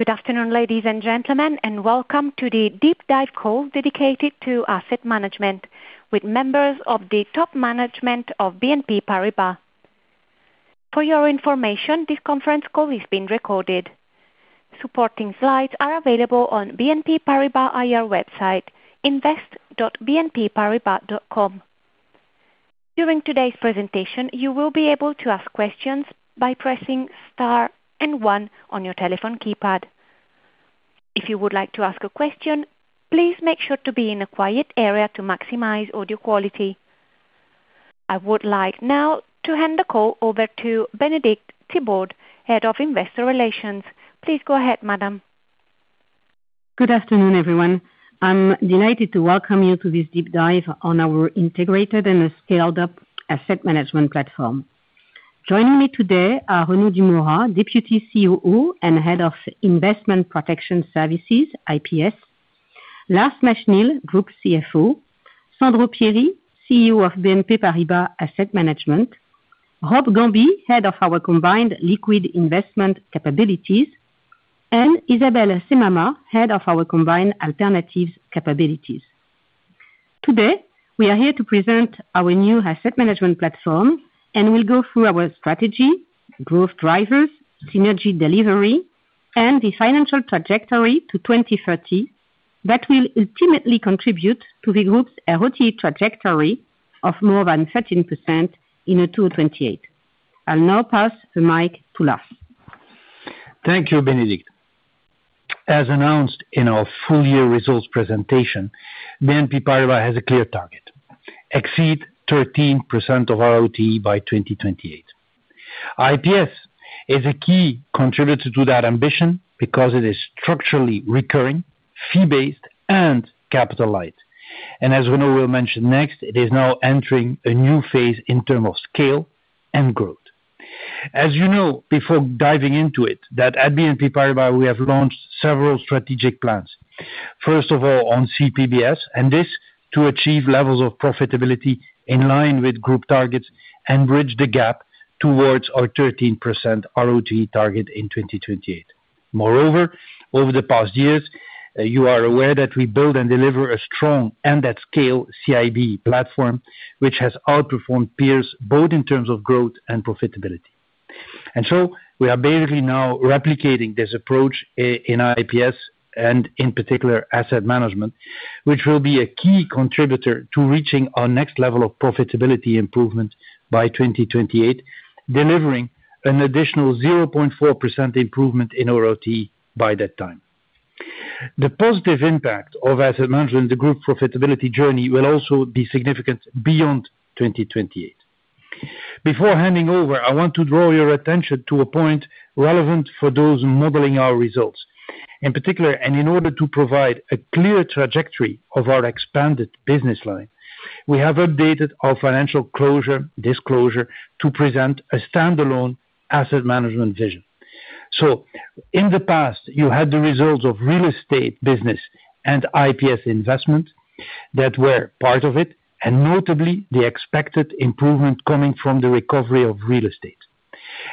Good afternoon, ladies and gentlemen, and welcome to the deep dive call dedicated to asset management with members of the top management of BNP Paribas. For your information, this conference call is being recorded. Supporting slides are available on BNP Paribas IR website, invest.bnpparibas.com. During today's presentation, you will be able to ask questions by pressing star and one on your telephone keypad. If you would like to ask a question, please make sure to be in a quiet area to maximize audio quality. I would like now to hand the call over to Bénédicte Thibord, Head of Investor Relations. Please go ahead, madam. Good afternoon, everyone. I'm delighted to welcome you to this deep dive on our integrated and scaled up asset management platform. Joining me today are Renaud Dumora, Deputy COO and Head of Investment and Protection Services, IPS. Lars Machenil, Group CFO. Sandro Pierri, CEO of BNP Paribas Asset Management. Rob Gambi, head of our combined liquid investment capabilities, and Isabelle Scemama, head of our combined alternatives capabilities. Today, we are here to present our new asset management platform, and we'll go through our strategy, growth drivers, synergy delivery, and the financial trajectory to 2030 that will ultimately contribute to the group's ROTE trajectory of more than 13% in 2028. I'll now pass the mic to Lars. Thank you, Bénédicte. As announced in our full year results presentation, BNP Paribas has a clear target, exceed 13% of ROTE by 2028. IPS is a key contributor to that ambition because it is structurally recurring, fee-based and capital light. As Renaud will mention next, it is now entering a new phase in terms of scale and growth. As you know, before diving into it, at BNP Paribas, we have launched several strategic plans. First of all, on CPBS, and this to achieve levels of profitability in line with group targets and bridge the gap towards our 13% ROTE target in 2028. Moreover, over the past years, you are aware that we build and deliver a strong and at scale CIB platform, which has outperformed peers both in terms of growth and profitability. We are basically now replicating this approach in IPS and in particular asset management, which will be a key contributor to reaching our next level of profitability improvement by 2028, delivering an additional 0.4% improvement in ROTE by that time. The positive impact of asset management, the group profitability journey, will also be significant beyond 2028. Before handing over, I want to draw your attention to a point relevant for those modeling our results. In particular, and in order to provide a clear trajectory of our expanded business line, we have updated our financial closure disclosure to present a standalone asset management vision. In the past, you had the results of real estate business and IPS investment that were part of it, and notably the expected improvement coming from the recovery of real estate.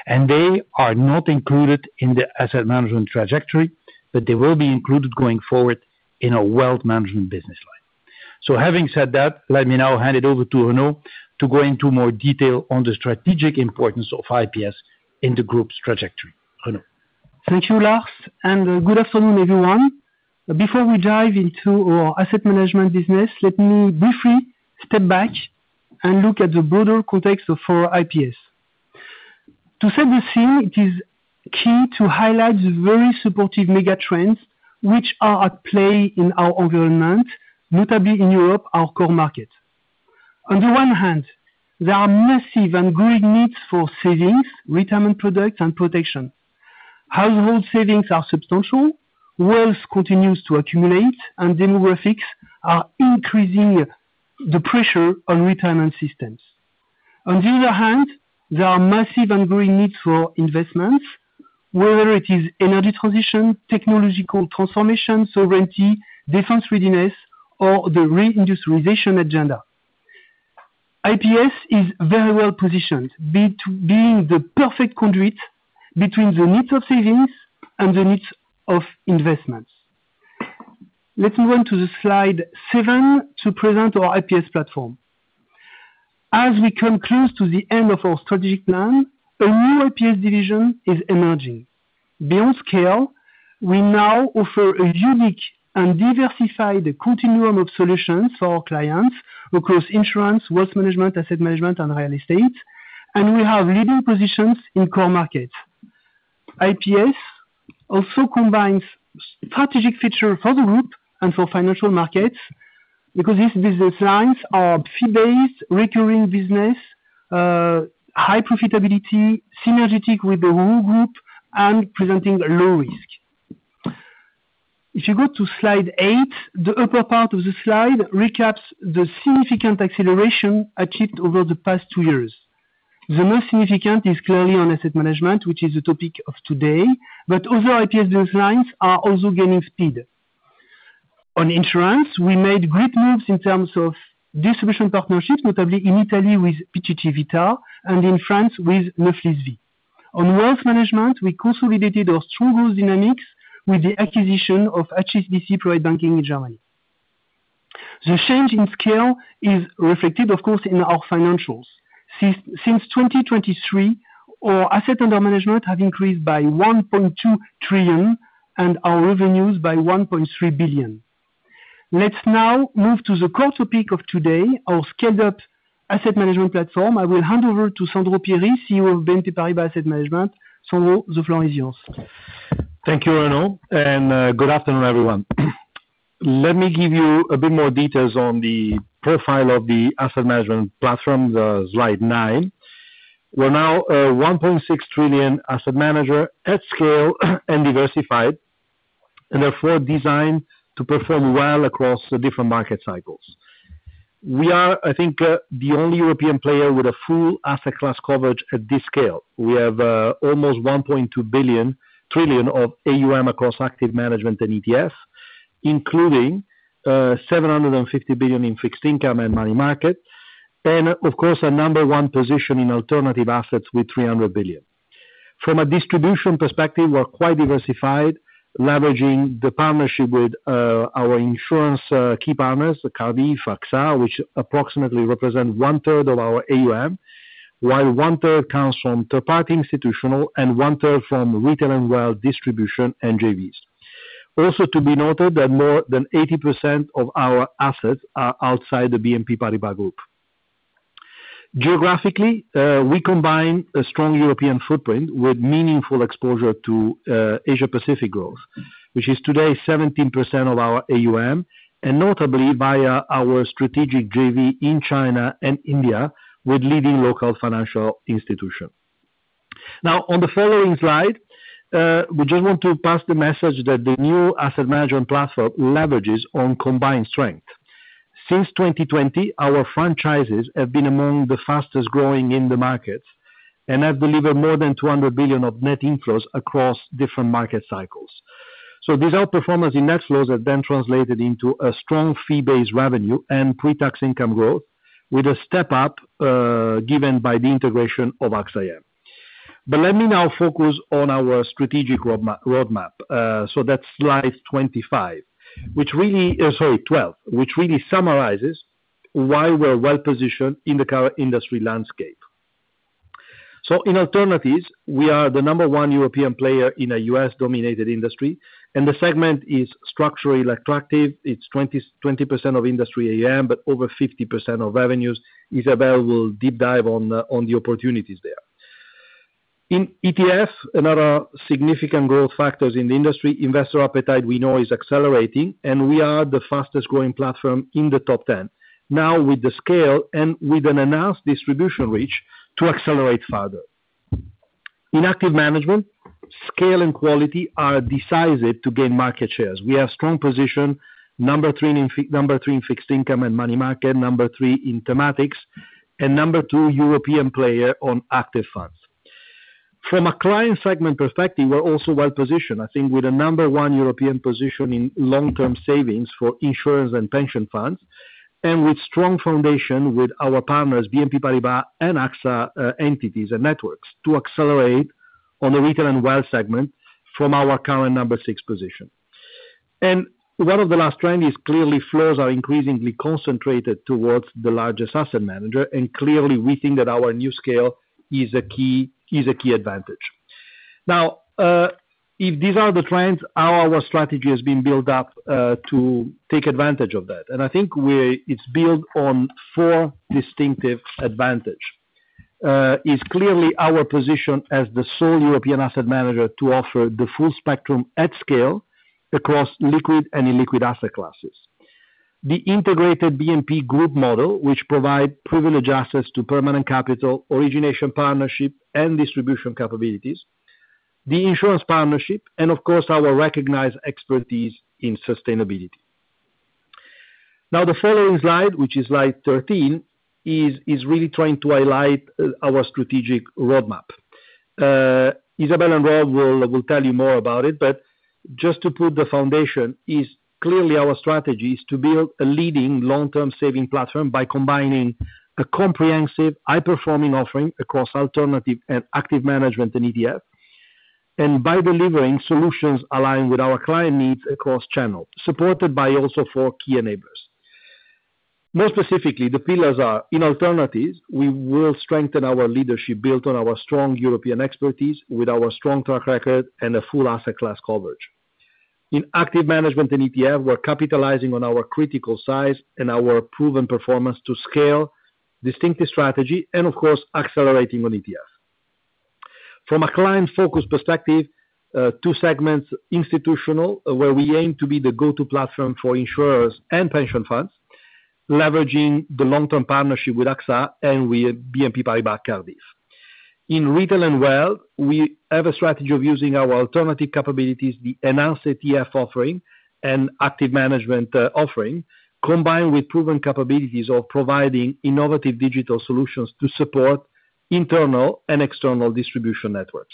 They are not included in the asset management trajectory, but they will be included going forward in our wealth management business line. Having said that, let me now hand it over to Renaud to go into more detail on the strategic importance of IPS in the group's trajectory. Renaud. Thank you, Lars, and good afternoon, everyone. Before we dive into our asset management business, let me briefly step back and look at the broader context of our IPS. To set the scene, it is key to highlight the very supportive megatrends which are at play in our environment, notably in Europe, our core market. On the one hand, there are massive and growing needs for savings, retirement products and protection. Household savings are substantial, wealth continues to accumulate, and demographics are increasing the pressure on retirement systems. On the other hand, there are massive and growing needs for investments, whether it is energy transition, technological transformation, sovereignty, defense readiness, or the re-industrialization agenda. IPS is very well positioned, being the perfect conduit between the needs of savings and the needs of investments. Let's move on to slide seven to present our IPS platform. As we come close to the end of our strategic plan, a new IPS division is emerging. Beyond scale, we now offer a unique and diversified continuum of solutions for our clients across insurance, wealth management, asset management and real estate, and we have leading positions in core markets. IPS also combines strategic features for the group and for financial markets because these business lines are fee-based, recurring business, high profitability, synergetic with the whole group and presenting low risk. If you go to slide eight, the upper part of the slide recaps the significant acceleration achieved over the past two years. The most significant is clearly on asset management, which is the topic of today, but other IPS divisions are also gaining speed. On insurance, we made great moves in terms of distribution partnerships, notably in Italy with Poste Vita and in France with Neuflize Vie. On wealth management, we consolidated our strong growth dynamics with the acquisition of HSBC Private Bank in Germany. The change in scale is reflected, of course, in our financials. Since 2023, our assets under management have increased by 1.2 trillion and our revenues by 1.3 billion. Let's now move to the core topic of today, our scaled up asset management platform. I will hand over to Sandro Pierri, CEO of BNP Paribas Asset Management. Sandro, the floor is yours. Thank you, Renaud, and good afternoon, everyone. Let me give you a bit more details on the profile of the asset management platform, slide nine. We're now a 1.6 trillion asset manager at scale and diversified, and therefore designed to perform well across the different market cycles. We are, I think, the only European player with a full asset class coverage at this scale. We have almost 1.2 trillion of AUM across active management and ETFs, including 750 billion in fixed income and money market and of course, a number one position in alternative assets with 300 billion. From a distribution perspective, we're quite diversified, leveraging the partnership with our insurance key partners, Cardif, AXA, which approximately represent 1/3 of our AUM, while 1/3 comes from third party institutional and 1/3 from retail and wealth distribution and JVs. Also to be noted that more than 80% of our assets are outside the BNP Paribas group. Geographically, we combine a strong European footprint with meaningful exposure to Asia Pacific growth, which is today 17% of our AUM, and notably via our strategic JV in China and India with leading local financial institution. Now, on the following slide, we just want to pass the message that the new asset management platform leverages on combined strength. Since 2020, our franchises have been among the fastest growing in the markets and have delivered more than 200 billion of net inflows across different market cycles. These outperformance in net flows have then translated into a strong fee-based revenue and pre-tax income growth with a step up, given by the integration of AXA IM. Let me now focus on our strategic roadmap. That's slide 25, sorry, 12, which really summarizes why we're well positioned in the current industry landscape. In alternatives, we are the number one European player in a U.S.-dominated industry, and the segment is structurally attractive. It's 20% of industry AUM, but over 50% of revenues. Isabelle will deep dive on the opportunities there. In ETF, another significant growth factors in the industry, investor appetite we know is accelerating, and we are the fastest growing platform in the top 10. Now with the scale and with an enhanced distribution reach to accelerate further. In active management, scale and quality are decisive to gain market shares. We have strong position, number three in fixed income and money market, number three in thematics, and number two European player on active funds. From a client segment perspective, we're also well-positioned, I think, with a number one European position in long-term savings for insurance and pension funds, and with strong foundation with our partners, BNP Paribas and AXA entities and networks to accelerate on the retail and wealth segment from our current number six position. One of the last trend is clearly flows are increasingly concentrated towards the largest asset manager, and clearly we think that our new scale is a key advantage. Now, if these are the trends, how our strategy has been built up to take advantage of that, and I think we're. It's built on four distinctive advantages. It's clearly our position as the sole European asset manager to offer the full spectrum at scale across liquid and illiquid asset classes. The integrated BNP group model, which provides privileged access to permanent capital, origination, partnership, and distribution capabilities, the insurance partnership, and of course, our recognized expertise in sustainability. Now, the following slide, which is slide 13, is really trying to highlight our strategic roadmap. Isabelle and Rob will tell you more about it, but just to put the foundation, our strategy is clearly to build a leading long-term savings platform by combining a comprehensive high-performing offering across alternative and active management and ETF, and by delivering solutions aligned with our client needs across channels, supported by also four key enablers. More specifically, the pillars are, in alternatives, we will strengthen our leadership built on our strong European expertise with our strong track record and a full asset class coverage. In active management and ETF, we're capitalizing on our critical size and our proven performance to scale distinctive strategy and of course, accelerating on ETFs. From a client focus perspective, two segments institutional, where we aim to be the go-to platform for insurers and pension funds, leveraging the long-term partnership with AXA and with BNP Paribas Cardif. In retail and wealth, we have a strategy of using our alternative capabilities, the enhanced ETF offering and active management, offering, combined with proven capabilities of providing innovative digital solutions to support internal and external distribution networks.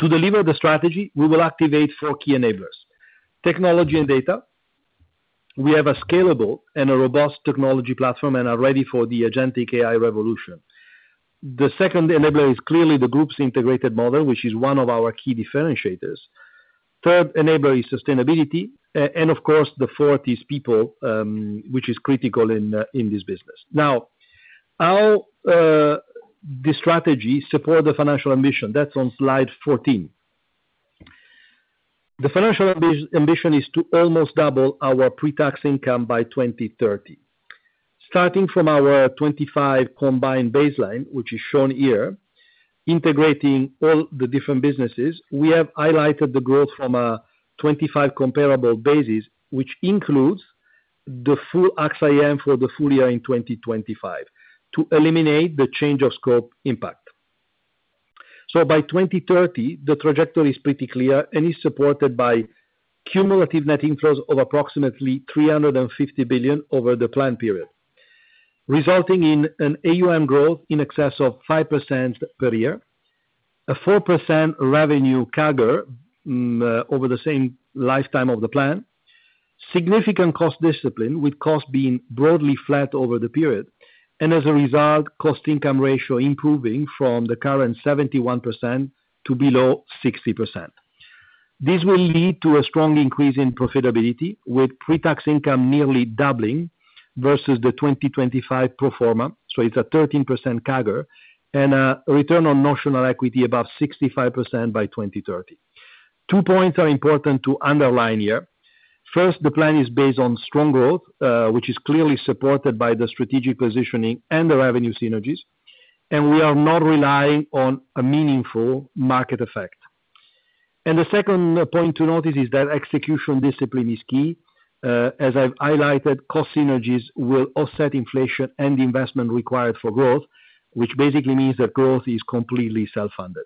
To deliver the strategy, we will activate four key enablers. Technology and data. We have a scalable and a robust technology platform and are ready for the agentic AI revolution. The second enabler is clearly the group's integrated model, which is one of our key differentiators. Third enabler is sustainability. Of course, the fourth is people, which is critical in this business. Now, how this strategy support the financial ambition, that's on slide 14. The financial ambition is to almost double our pre-tax income by 2030. Starting from our 25 combined baseline, which is shown here, integrating all the different businesses, we have highlighted the growth from a 25 comparable basis, which includes the full AXA IM for the full year in 2025 to eliminate the change of scope impact. By 2030, the trajectory is pretty clear and is supported by cumulative net inflows of approximately 350 billion over the plan period, resulting in an AUM growth in excess of 5% per year, a 4% revenue CAGR over the same lifetime of the plan, significant cost discipline, with cost being broadly flat over the period, and as a result, cost income ratio improving from the current 71% to below 60%. This will lead to a strong increase in profitability with pre-tax income nearly doubling versus the 2025 pro forma. It's a 13% CAGR and a return on tangible equity above 65% by 2030. Two points are important to underline here. First, the plan is based on strong growth, which is clearly supported by the strategic positioning and the revenue synergies, and we are not relying on a meaningful market effect. The second point to note is that execution discipline is key. As I've highlighted, cost synergies will offset inflation and investment required for growth, which basically means that growth is completely self-funded.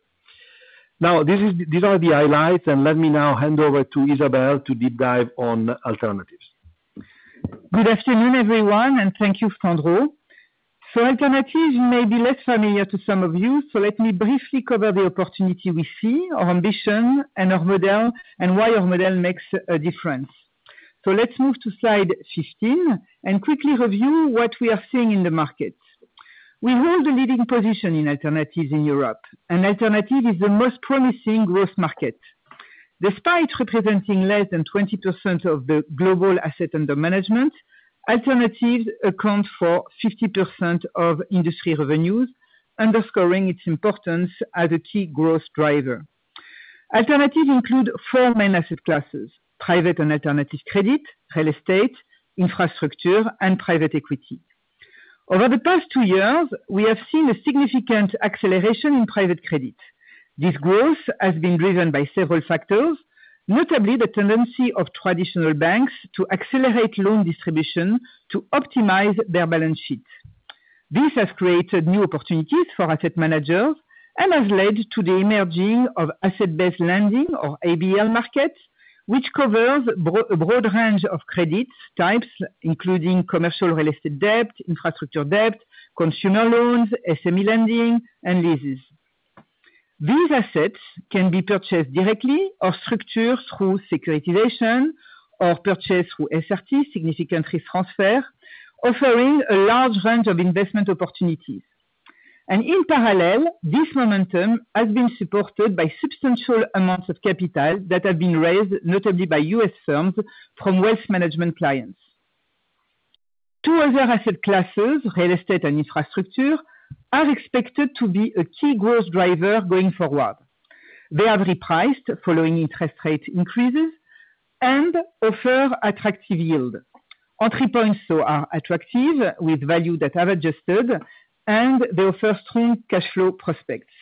These are the highlights, and let me now hand over to Isabelle to deep dive on alternatives. Good afternoon, everyone, and thank you, Sandro. Alternatives may be less familiar to some of you, so let me briefly cover the opportunity we see, our ambition and our model and why our model makes a difference. Let's move to slide 15 and quickly review what we are seeing in the market. We hold a leading position in alternatives in Europe, and alternatives is the most promising growth market. Despite representing less than 20% of the global assets under management, alternatives account for 50% of industry revenues, underscoring its importance as a key growth driver. Alternatives include four main asset classes, private and alternative credit, real estate, infrastructure and private equity. Over the past two years, we have seen a significant acceleration in private credit. This growth has been driven by several factors, notably the tendency of traditional banks to accelerate loan distribution to optimize their balance sheet. This has created new opportunities for asset managers and has led to the emergence of asset-based lending, or ABL market, which covers a broad range of credit types, including commercial real estate debt, infrastructure debt, consumer loans, SME lending and leases. These assets can be purchased directly or structured through securitization or purchased through SRT, significant risk transfer, offering a large range of investment opportunities. In parallel, this momentum has been supported by substantial amounts of capital that have been raised, notably by U.S. firms from wealth management clients. Two other asset classes, real estate and infrastructure, are expected to be a key growth driver going forward. They are repriced following interest rate increases and offer attractive yield. Entry points so are attractive with value that have adjusted, and they offer strong cash flow prospects.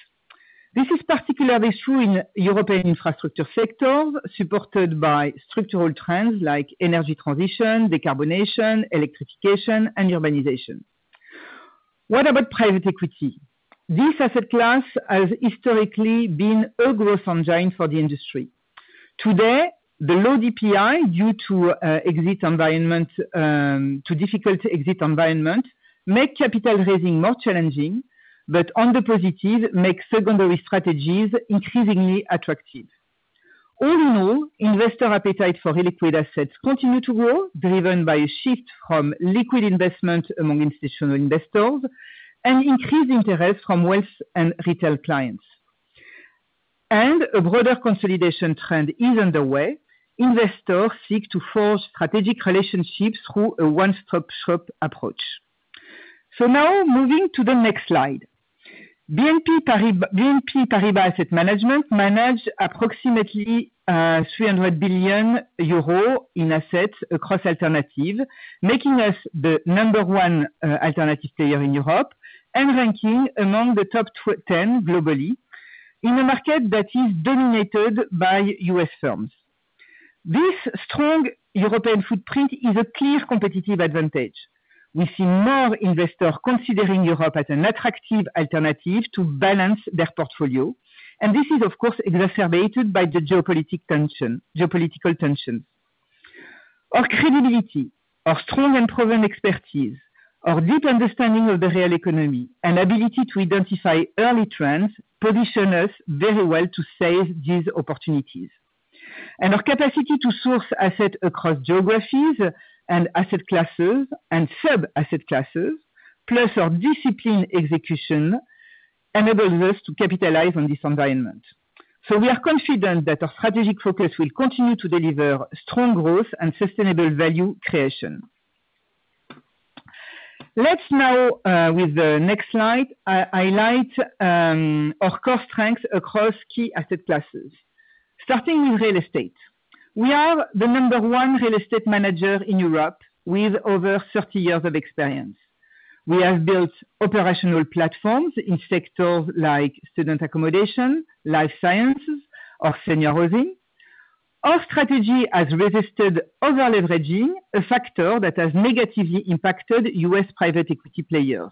This is particularly true in European infrastructure sectors supported by structural trends like energy transition, decarbonation, electrification and urbanization. What about private equity? This asset class has historically been a growth engine for the industry. Today, the low DPI, due to difficult exit environment, make capital raising more challenging, but on the positive, make secondary strategies increasingly attractive. All in all, investor appetite for illiquid assets continue to grow, driven by a shift from liquid investment among institutional investors and increased interest from wealth and retail clients. A broader consolidation trend is underway. Investors seek to forge strategic relationships through a one-stop shop approach. Now moving to the next slide. BNP Paribas Asset Management manages approximately 300 billion euros in assets across alternative, making us the number one alternative player in Europe and ranking among the top 10 globally in a market that is dominated by U.S. firms. This strong European footprint is a clear competitive advantage. We see more investors considering Europe as an attractive alternative to balance their portfolio, and this is, of course, exacerbated by the geopolitical tension. Our credibility, our strong and proven expertise, our deep understanding of the real economy and ability to identify early trends position us very well to seize these opportunities. Our capacity to source assets across geographies and asset classes and sub-asset classes, plus our disciplined execution enables us to capitalize on this environment. We are confident that our strategic focus will continue to deliver strong growth and sustainable value creation. Let's now with the next slide highlight our core strengths across key asset classes. Starting with real estate. We are the number one real estate manager in Europe with over 30 years of experience. We have built operational platforms in sectors like student accommodation, life sciences or senior housing. Our strategy has resisted over-leveraging, a factor that has negatively impacted U.S. private equity players.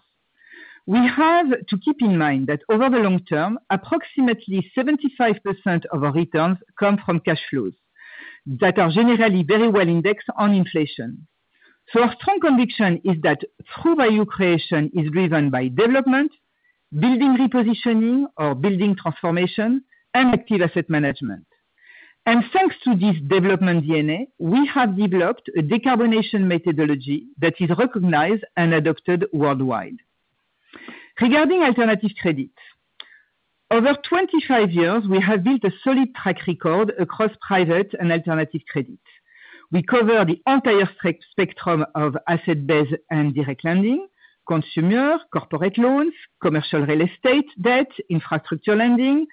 We have to keep in mind that over the long term, approximately 75% of our returns come from cash flows that are generally very well indexed on inflation. Our strong conviction is that true value creation is driven by development, building repositioning or building transformation, and active asset management. Thanks to this development DNA, we have developed a decarbonization methodology that is recognized and adopted worldwide. Regarding alternative credit. Over 25 years, we have built a solid track record across private and alternative credit. We cover the entire spectrum of asset-based and direct lending, consumer, corporate loans, commercial real estate debt, infrastructure lending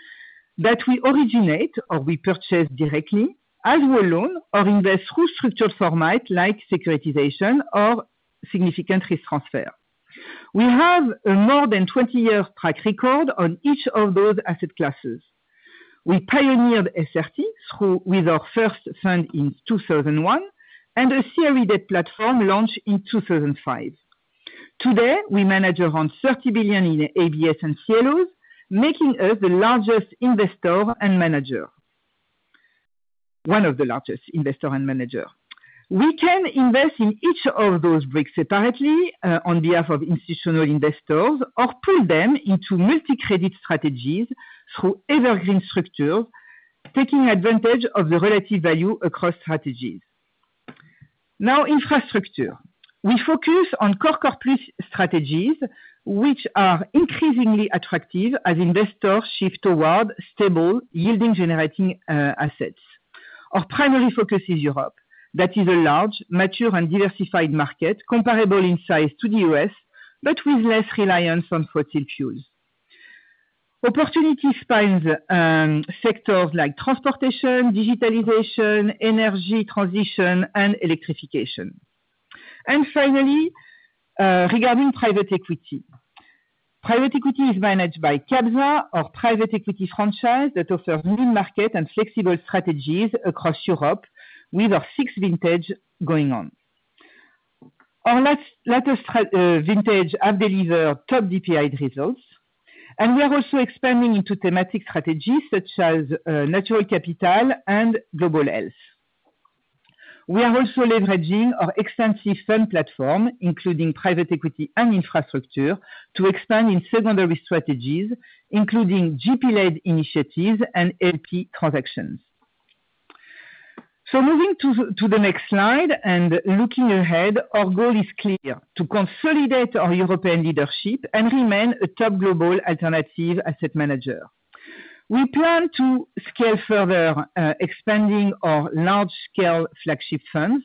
that we originate or we purchase directly as well as loan or invest through structured format like securitization or significant risk transfer. We have a more than 20-year track record on each of those asset classes. We pioneered SRT through our first fund in 2001, and a CRE debt platform launched in 2005. Today, we manage around 30 billion in ABS and CLOs, making us the largest investor and manager. One of the largest investor and manager. We can invest in each of those bricks separately, on behalf of institutional investors or pool them into multi-credit strategies through evergreen structure, taking advantage of the relative value across strategies. Now, infrastructure. We focus on core corporate strategies, which are increasingly attractive as investors shift toward stable, yield-generating assets. Our primary focus is Europe. That is a large, mature and diversified market, comparable in size to the U.S., but with less reliance on fossil fuels. Opportunity spans sectors like transportation, digitalization, energy transition and electrification. Finally, regarding private equity. Private equity is managed by CAPZA, our private equity franchise that offers middle market and flexible strategies across Europe with our sixth vintage going on. Our latest vintage have delivered top DPI results, and we are also expanding into thematic strategies such as natural capital and global health. We are also leveraging our extensive fund platform, including private equity and infrastructure, to expand in secondary strategies, including GP-led initiatives and LP transactions. Moving to the next slide and looking ahead, our goal is clear: to consolidate our European leadership and remain a top global alternative asset manager. We plan to scale further, expanding our large-scale flagship funds.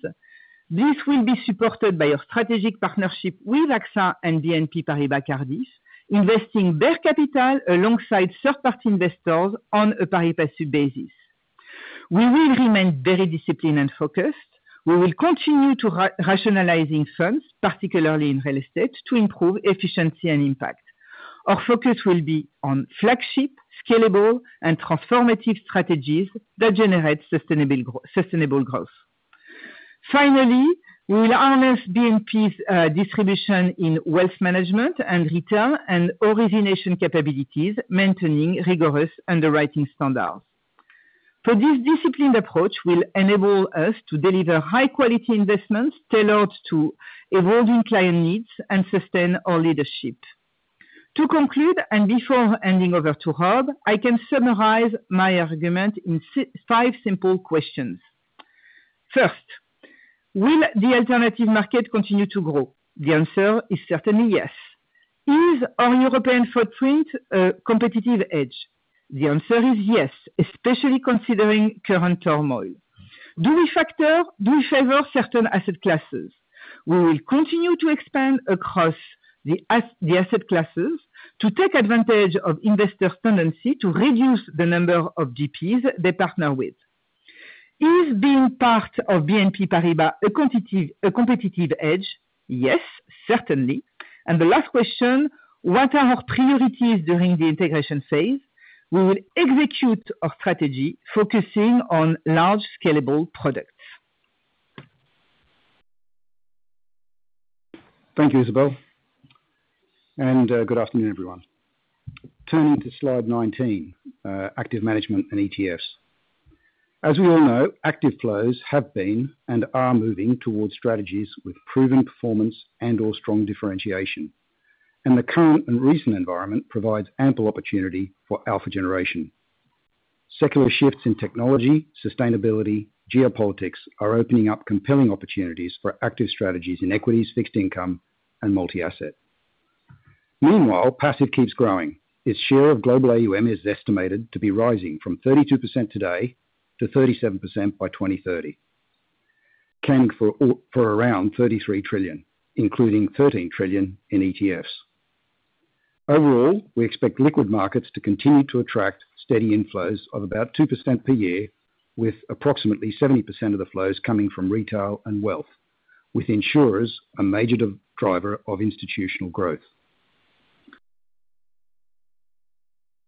This will be supported by a strategic partnership with AXA and BNP Paribas Cardif, investing their capital alongside third-party investors on a pari-passu basis. We will remain very disciplined and focused. We will continue to rationalizing funds, particularly in real estate, to improve efficiency and impact. Our focus will be on flagship, scalable and transformative strategies that generate sustainable growth. Finally, we will harness BNP's distribution in wealth management and retail and origination capabilities, maintaining rigorous underwriting standards. For this disciplined approach will enable us to deliver high-quality investments tailored to evolving client needs and sustain our leadership. To conclude, before handing over to Rob Gambi, I can summarize my argument in five simple questions. First, will the alternative market continue to grow? The answer is certainly yes. Is our European footprint a competitive edge? The answer is yes, especially considering current turmoil. Do we favor certain asset classes? We will continue to expand across the asset classes to take advantage of investors' tendency to reduce the number of GPs they partner with. Is being part of BNP Paribas a competitive edge? Yes, certainly. The last question. What are our priorities during the integration phase? We will execute our strategy focusing on large scalable products. Thank you, Isabelle, and good afternoon, everyone. Turning to slide 19, active management and ETFs. As we all know, active flows have been and are moving towards strategies with proven performance and or strong differentiation. The current and recent environment provides ample opportunity for alpha generation. Secular shifts in technology, sustainability, geopolitics are opening up compelling opportunities for active strategies in equities, fixed income, and multi-asset. Meanwhile, passive keeps growing. Its share of global AUM is estimated to be rising from 32% today to 37% by 2030. Accounting for for around 33 trillion, including 13 trillion in ETFs. Overall, we expect liquid markets to continue to attract steady inflows of about 2% per year, with approximately 70% of the flows coming from retail and wealth, with insurers a major driver of institutional growth.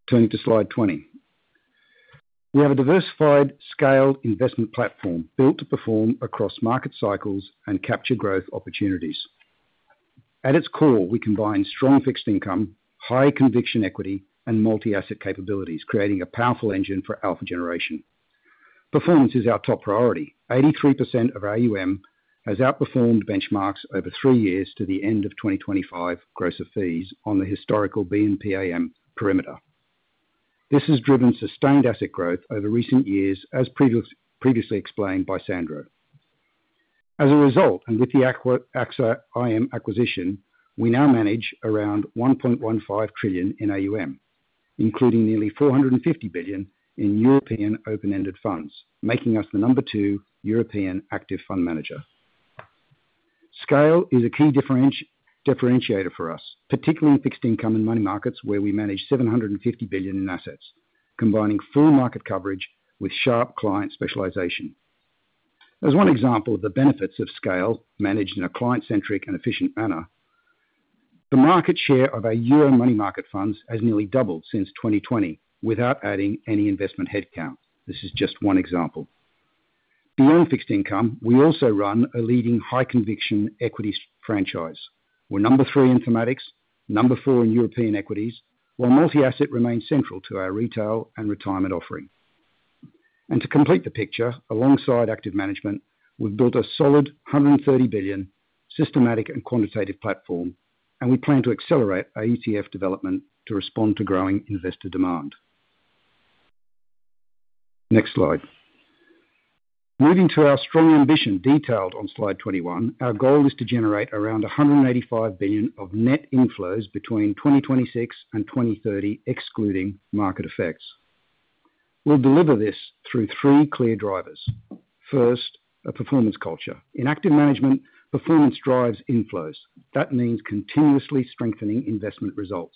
Turning to slide 20. We have a diversified scaled investment platform built to perform across market cycles and capture growth opportunities. At its core, we combine strong fixed income, high conviction equity and multi-asset capabilities, creating a powerful engine for alpha generation. Performance is our top priority. 83% of AUM has outperformed benchmarks over three years to the end of 2025 gross of fees on the historical BNP AM perimeter. This has driven sustained asset growth over recent years, as previously explained by Sandro. As a result, and with the AXA IM acquisition, we now manage around 1.15 trillion in AUM, including nearly 450 billion in European open-ended funds, making us the number two European active fund manager. Scale is a key differentiator for us, particularly in fixed income and money markets, where we manage 750 billion in assets. Combining full market coverage with sharp client specialization. As one example of the benefits of scale managed in a client-centric and efficient manner, the market share of our euro money market funds has nearly doubled since 2020 without adding any investment headcount. This is just one example. Beyond fixed income, we also run a leading high conviction equities franchise. We're number three in thematics, number four in European equities, while multi-asset remains central to our retail and retirement offering. To complete the picture, alongside active management, we've built a solid 130 billion systematic and quantitative platform, and we plan to accelerate our ETF development to respond to growing investor demand. Next slide. Moving to our strong ambition detailed on slide 21, our goal is to generate around 185 billion of net inflows between 2026 and 2030, excluding market effects. We'll deliver this through three clear drivers. First, a performance culture. In active management, performance drives inflows. That means continuously strengthening investment results,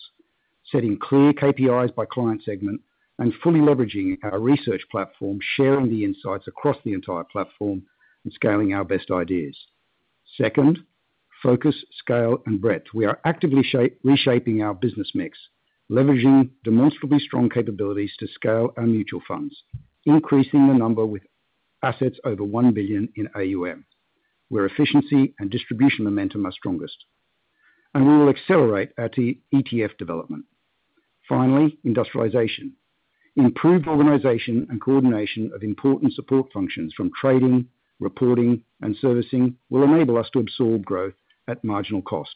setting clear KPIs by client segment, and fully leveraging our research platform, sharing the insights across the entire platform, and scaling our best ideas. Second, focus, scale and breadth. We are actively reshaping our business mix, leveraging demonstrably strong capabilities to scale our mutual funds, increasing the number with assets over 1 billion in AUM, where efficiency and distribution momentum are strongest. We will accelerate our ETF development. Finally, industrialization. Improved organization and coordination of important support functions from trading, reporting and servicing will enable us to absorb growth at marginal cost.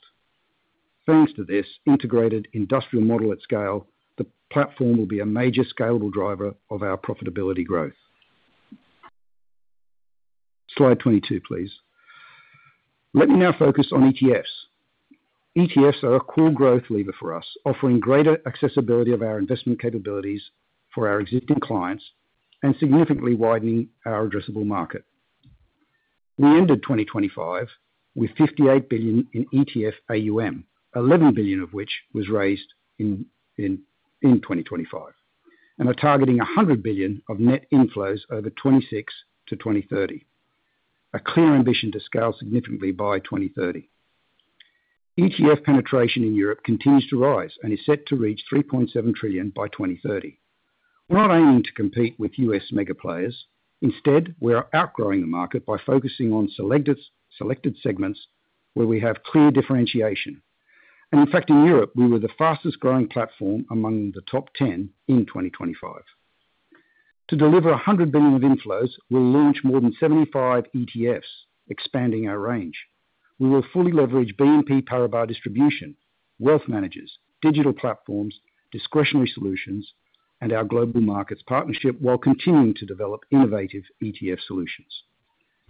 Thanks to this integrated industrial model at scale, the platform will be a major scalable driver of our profitability growth. Slide 22, please. Let me now focus on ETFs. ETFs are a core growth lever for us, offering greater accessibility of our investment capabilities for our existing clients and significantly widening our addressable market. We ended 2025 with 58 billion in ETF AUM, 11 billion of which was raised in 2025. We are targeting 100 billion of net inflows over 2026-2030. A clear ambition to scale significantly by 2030. ETF penetration in Europe continues to rise and is set to reach 3.7 trillion by 2030. We're not aiming to compete with U.S. mega players. Instead, we are outgrowing the market by focusing on selected segments where we have clear differentiation. In fact, in Europe, we were the fastest growing platform among the top 10 in 2025. To deliver 100 billion of inflows, we'll launch more than 75 ETFs, expanding our range. We will fully leverage BNP Paribas distribution, wealth managers, digital platforms, discretionary solutions, and our global markets partnership, while continuing to develop innovative ETF solutions.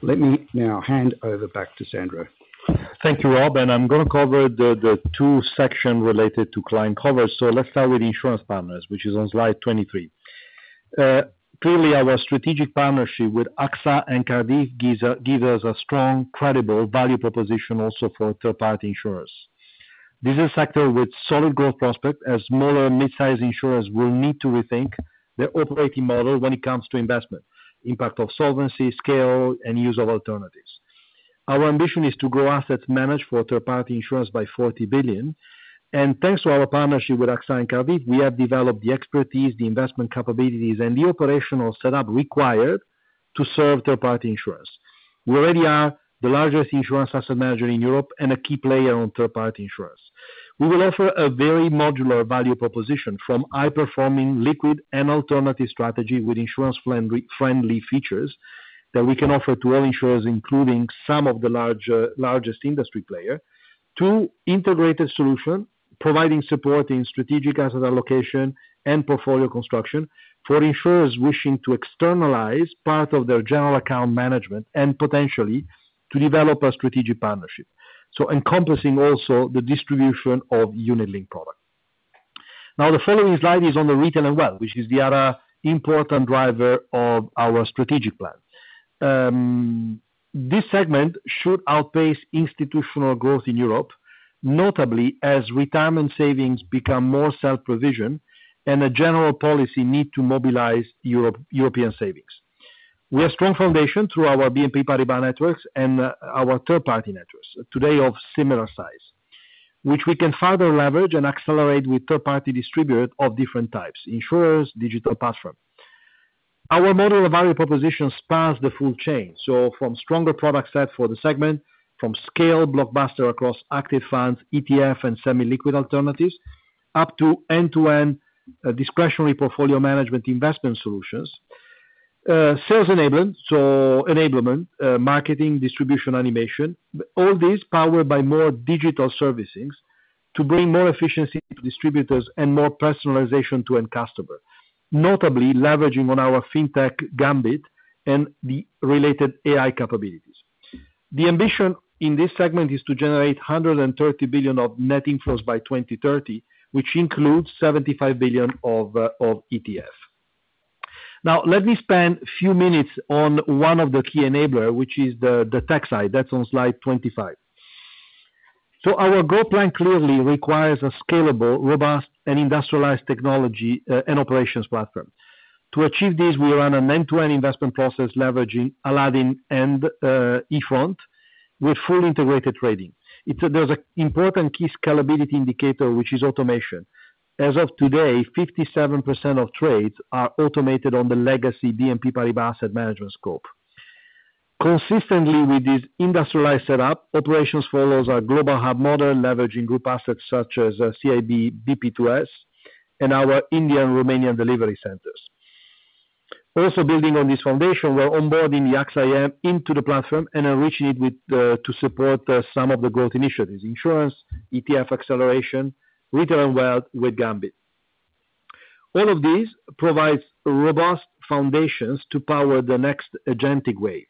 Let me now hand over back to Sandro. Thank you, Rob, and I'm gonna cover the two sections related to client coverage. Let's start with insurance partners, which is on slide 23. Clearly, our strategic partnership with AXA and Cardif gives us a strong, credible value proposition also for third-party insurers. This is a sector with solid growth prospects as smaller and mid-size insurers will need to rethink their operating model when it comes to investment, impact of solvency, scale and use of alternatives. Our ambition is to grow assets managed for third-party insurance by 40 billion. Thanks to our partnership with AXA and Cardif, we have developed the expertise, the investment capabilities and the operational setup required to serve third-party insurers. We already are the largest insurance asset manager in Europe and a key player on third-party insurers. We will offer a very modular value proposition from high-performing liquid and alternative strategy with insurance-friendly features that we can offer to all insurers, including some of the largest industry player to integrated solution, providing support in strategic asset allocation and portfolio construction for insurers wishing to externalize part of their general account management and potentially to develop a strategic partnership. Encompassing also the distribution of unit-linked products. Now, the following slide is on the retail and wealth, which is the other important driver of our strategic plan. This segment should outpace institutional growth in Europe, notably as retirement savings become more self-provision and a general policy need to mobilize European savings. We have strong foundation through our BNP Paribas networks and our third-party networks today of similar size, which we can further leverage and accelerate with third-party distributors of different types, insurers, digital platform. Our model of value proposition spans the full chain, so from stronger product set for the segment, from scale blockbuster across active funds, ETF, and semi-liquid alternatives, up to end-to-end, discretionary portfolio management investment solutions, sales enablement, marketing, distribution, animation, all this powered by more digital services to bring more efficiency to distributors and more personalization to end customer, notably leveraging on our fintech Gambit and the related AI capabilities. The ambition in this segment is to generate 130 billion of net inflows by 2030, which includes 75 billion of ETF. Now let me spend a few minutes on one of the key enabler, which is the tech side. That's on slide 25. Our growth plan clearly requires a scalable, robust, and industrialized technology and operations platform. To achieve this, we run an end-to-end investment process leveraging Aladdin and eFront with full integrated trading. There's an important key scalability indicator, which is automation. As of today, 57% of trades are automated on the legacy BNP Paribas Asset Management scope. Consistently with this industrialized setup, operations follows our global hub model, leveraging group assets such as CIB, BP2S, and our Indian Romanian delivery centers. Also building on this foundation, we're onboarding the AXA IM into the platform and enriching it to support some of the growth initiatives, insurance, ETF acceleration, retail and wealth with Gambit. All of these provides robust foundations to power the next agentic wave.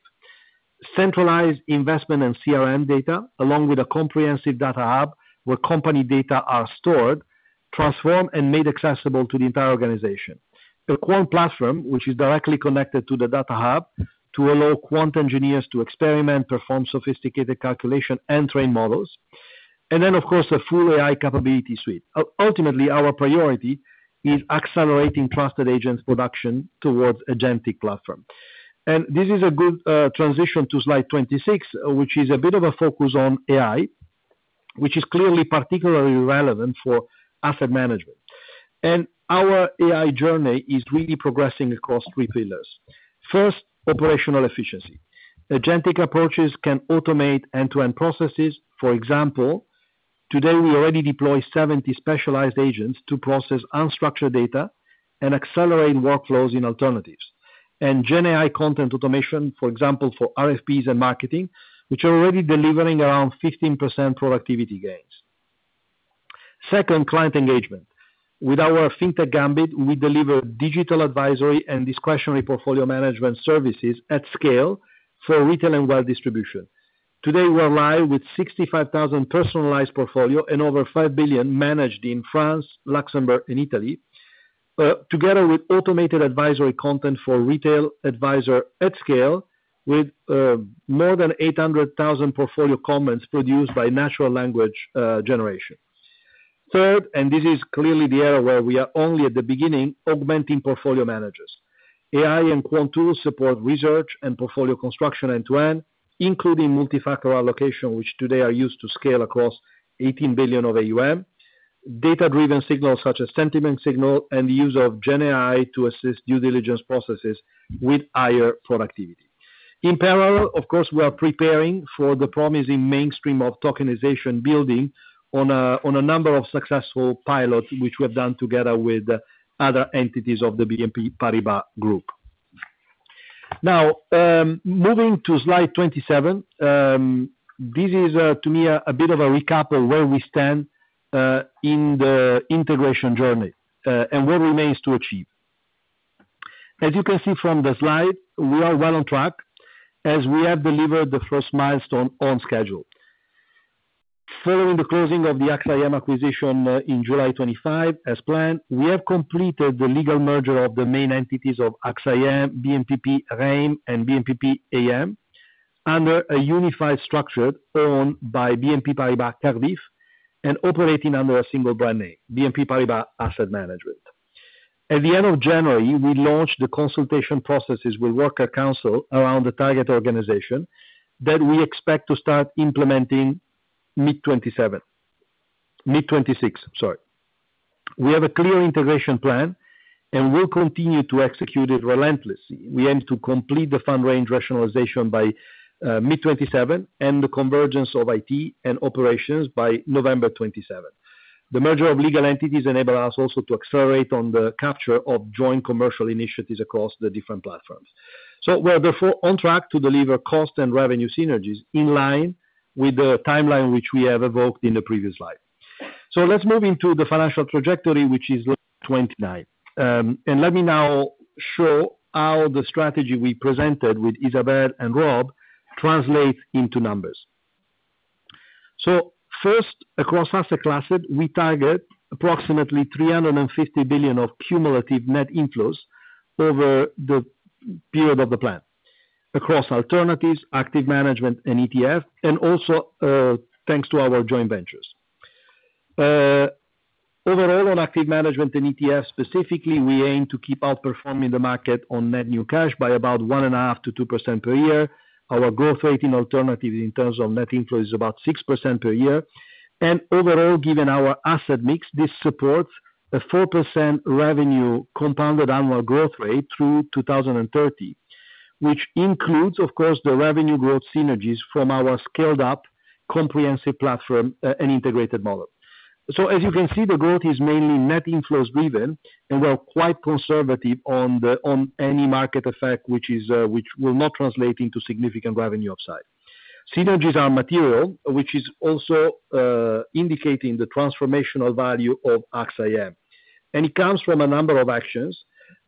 Centralized investment and CRM data, along with a comprehensive data hub, where company data are stored, transformed, and made accessible to the entire organization. A quant platform, which is directly connected to the data hub to allow quant engineers to experiment, perform sophisticated calculation, and train models. Of course, a full AI capability suite. Ultimately, our priority is accelerating trusted agents production towards agentic platform. This is a good transition to slide 26, which is a bit of a focus on AI, which is clearly particularly relevant for asset management. Our AI journey is really progressing across three pillars. First, operational efficiency. Agentic approaches can automate end-to-end processes. For example, today, we already deploy 70 specialized agents to process unstructured data and accelerate workflows in alternatives. GenAI content automation, for example, for RFPs and marketing, which are already delivering around 15% productivity gains. Second, client engagement. With our Gambit, we deliver digital advisory and discretionary portfolio management services at scale for retail and wealth distribution. Today, we are live with 65,000 personalized portfolio and over 5 billion managed in France, Luxembourg, and Italy, together with automated advisory content for retail advisor at scale with more than 800,000 portfolio comments produced by natural language generation. Third, this is clearly the area where we are only at the beginning, augmenting portfolio managers. AI and quant tools support research and portfolio construction end-to-end, including multi-factor allocation, which today are used to scale across 18 billion of AUM, data-driven signals such as sentiment signal, and the use of GenAI to assist due diligence processes with higher productivity. In parallel, of course, we are preparing for the promising mainstream of tokenization building on a number of successful pilots, which we have done together with other entities of the BNP Paribas group. Now, moving to slide 27, this is, to me, a bit of a recap of where we stand in the integration journey and what remains to achieve. As you can see from the slide, we are well on track as we have delivered the first milestone on schedule. Following the closing of the AXA IM acquisition in July 2025 as planned, we have completed the legal merger of the main entities of AXA IM, BNPP REIM and BNPP AM, under a unified structure owned by BNP Paribas Cardif and operating under a single brand name, BNP Paribas Asset Management. At the end of January, we launched the consultation processes with works council around the target organization that we expect to start implementing mid-2026. We have a clear integration plan, and we'll continue to execute it relentlessly. We aim to complete the fund range rationalization by mid-2027 and the convergence of IT and operations by November 2027. The merger of legal entities enable us also to accelerate on the capture of joint commercial initiatives across the different platforms. We are therefore on track to deliver cost and revenue synergies in line with the timeline which we have evoked in the previous slide. Let's move into the financial trajectory, which is slide 29. And let me now show how the strategy we presented with Isabelle and Rob translate into numbers. First, across asset classes, we target approximately 350 billion of cumulative net inflows over the period of the plan. Across alternatives, active management and ETF, and also, thanks to our joint ventures. Overall on active management and ETFs specifically, we aim to keep outperforming the market on net new cash by about 1.5%-2% per year. Our growth rate in alternative in terms of net inflow is about 6% per year. Overall, given our asset mix, this supports a 4% revenue compounded annual growth rate through 2030. Which includes, of course, the revenue growth synergies from our scaled up comprehensive platform and integrated model. As you can see, the growth is mainly net inflows driven, and we're quite conservative on the, on any market effect, which is, which will not translate into significant revenue upside. Synergies are material, which is also, indicating the transformational value of AXA IM. It comes from a number of actions,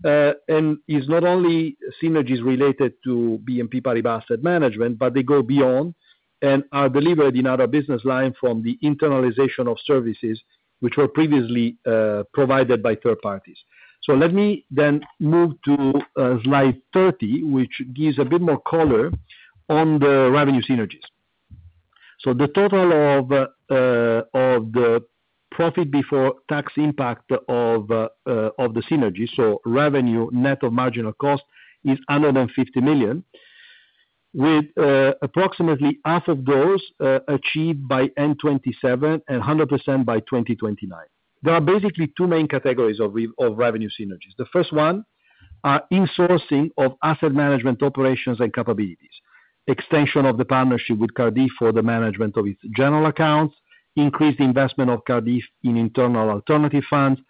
and is not only synergies related to BNP Paribas Asset Management, but they go beyond and are delivered in our business line from the internalization of services which were previously provided by third parties. Let me then move to slide 30, which gives a bit more color on the revenue synergies. The total of the profit before tax impact of the synergies, so revenue net of marginal cost, is under 50 million. With approximately half of those achieved by end 2027 and 100% by 2029. There are basically two main categories of revenue synergies. The first one are insourcing of asset management operations and capabilities. Extension of the partnership with Cardif for the management of its general accounts. Increased investment of Cardif in internal alternative funds.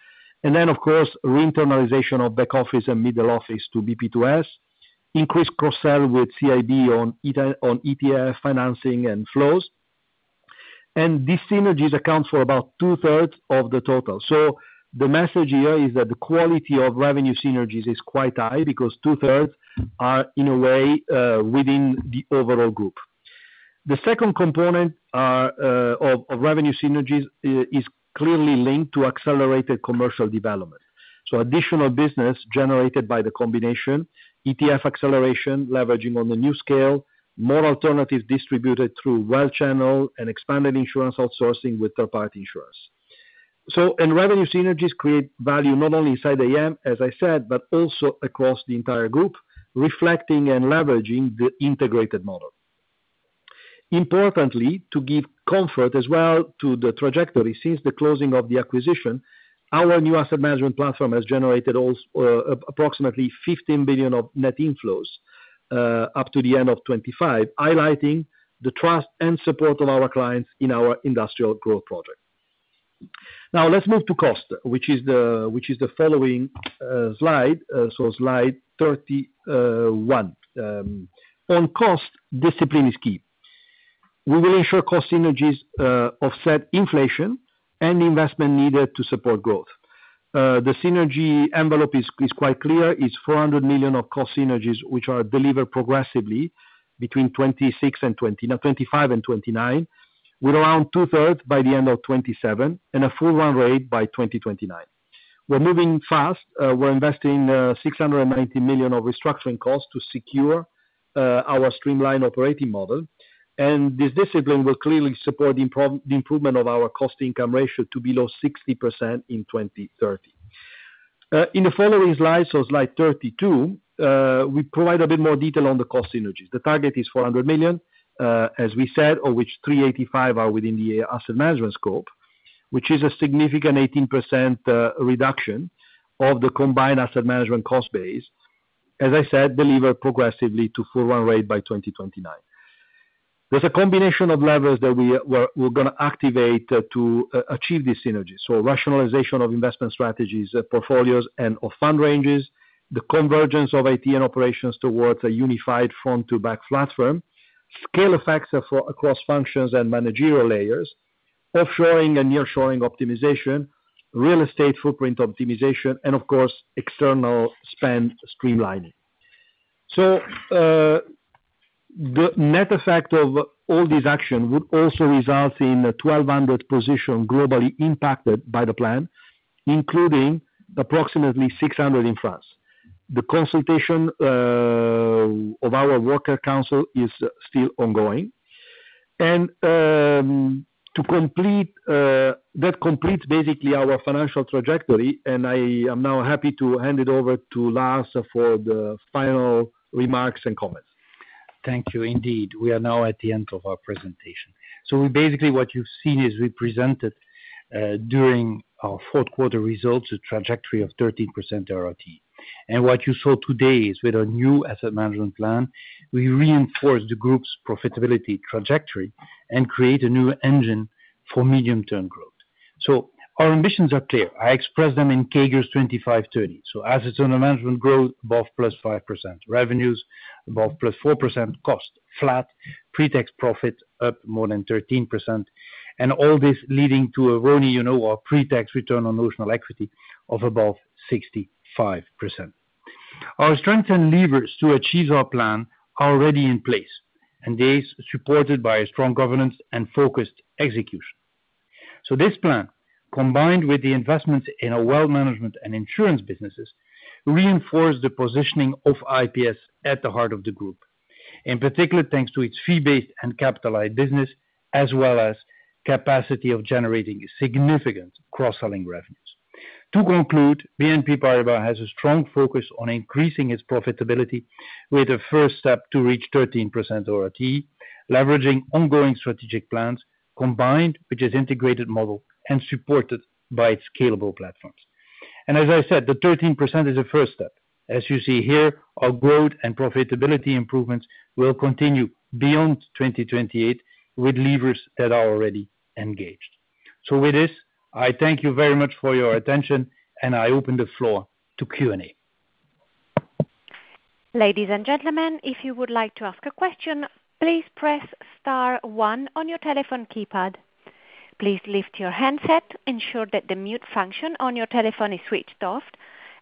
Of course, re-internalization of back office and middle office to BP2S. Increased cross-sell with CIB on ETF financing and flows. These synergies account for about 2/3 of the total. The message here is that the quality of revenue synergies is quite high because 2/3 are in a way within the overall group. The second component of revenue synergies is clearly linked to accelerated commercial development. Additional business generated by the combination, ETF acceleration, leveraging on the new scale, more alternatives distributed through wealth channel and expanded insurance outsourcing with third-party insurance. Revenue synergies create value not only inside AM, as I said, but also across the entire group, reflecting and leveraging the integrated model. Importantly, to give comfort as well to the trajectory since the closing of the acquisition, our new asset management platform has generated approximately 15 billion of net inflows up to the end of 2025, highlighting the trust and support of our clients in our industrial growth project. Now let's move to cost, which is the following slide. So slide 31. On cost, discipline is key. We will ensure cost synergies offset inflation and investment needed to support growth. The synergy envelope is quite clear. It's 400 million of cost synergies, which are delivered progressively between 2025 and 2029, with around 2/3 by the end of 2027 and a full run rate by 2029. We're moving fast. We're investing 690 million of restructuring costs to secure our streamlined operating model. This discipline will clearly support the improvement of our cost income ratio to below 60% in 2030. In the following slide, so slide 32, we provide a bit more detail on the cost synergies. The target is 400 million, as we said, of which 385 are within the asset management scope. Which is a significant 18% reduction of the combined asset management cost base. As I said, deliver progressively to full run rate by 2029. There's a combination of levers that we're gonna activate to achieve these synergies. Rationalization of investment strategies, portfolios and/or fund ranges. The convergence of IT and operations towards a unified front to back platform. Scale effects across functions and managerial layers. Offshoring and nearshoring optimization. Real estate footprint optimization, and of course, external spend streamlining. The net effect of all these action would also result in a 1,200 position globally impacted by the plan, including approximately 600 in France. The consultation of our worker council is still ongoing. That completes basically our financial trajectory, and I am now happy to hand it over to Lars Machenil for the final remarks and comments. Thank you. Indeed, we are now at the end of our presentation. Basically what you've seen is we presented during our fourth quarter results, a trajectory of 13% ROTE. What you saw today is with our new asset management plan, we reinforce the group's profitability trajectory and create a new engine for medium-term growth. Our ambitions are clear. I expressed them in CAGRs 25%, 30%. Assets under management growth above +5%, revenues above +4%, cost flat, pre-tax profit up more than 13%, and all this leading to a ROTE, you know, our pre-tax return on notional equity of above 65%. Our strength and levers to achieve our plan are already in place, and this supported by a strong governance and focused execution. This plan, combined with the investments in our wealth management and insurance businesses, reinforces the positioning of IPS at the heart of the group, in particular thanks to its fee-based and capitalized business, as well as capacity of generating significant cross-selling revenues. To conclude, BNP Paribas has a strong focus on increasing its profitability with the first step to reach 13% ROTE, leveraging ongoing strategic plans, combined with its integrated model and supported by its scalable platforms. As I said, the 13% is a first step. As you see here, our growth and profitability improvements will continue beyond 2028 with levers that are already engaged. With this, I thank you very much for your attention, and I open the floor to Q&A. Ladies and gentlemen, if you would like to ask a question, please press star one on your telephone keypad. Please lift your handset, ensure that the mute function on your telephone is switched off,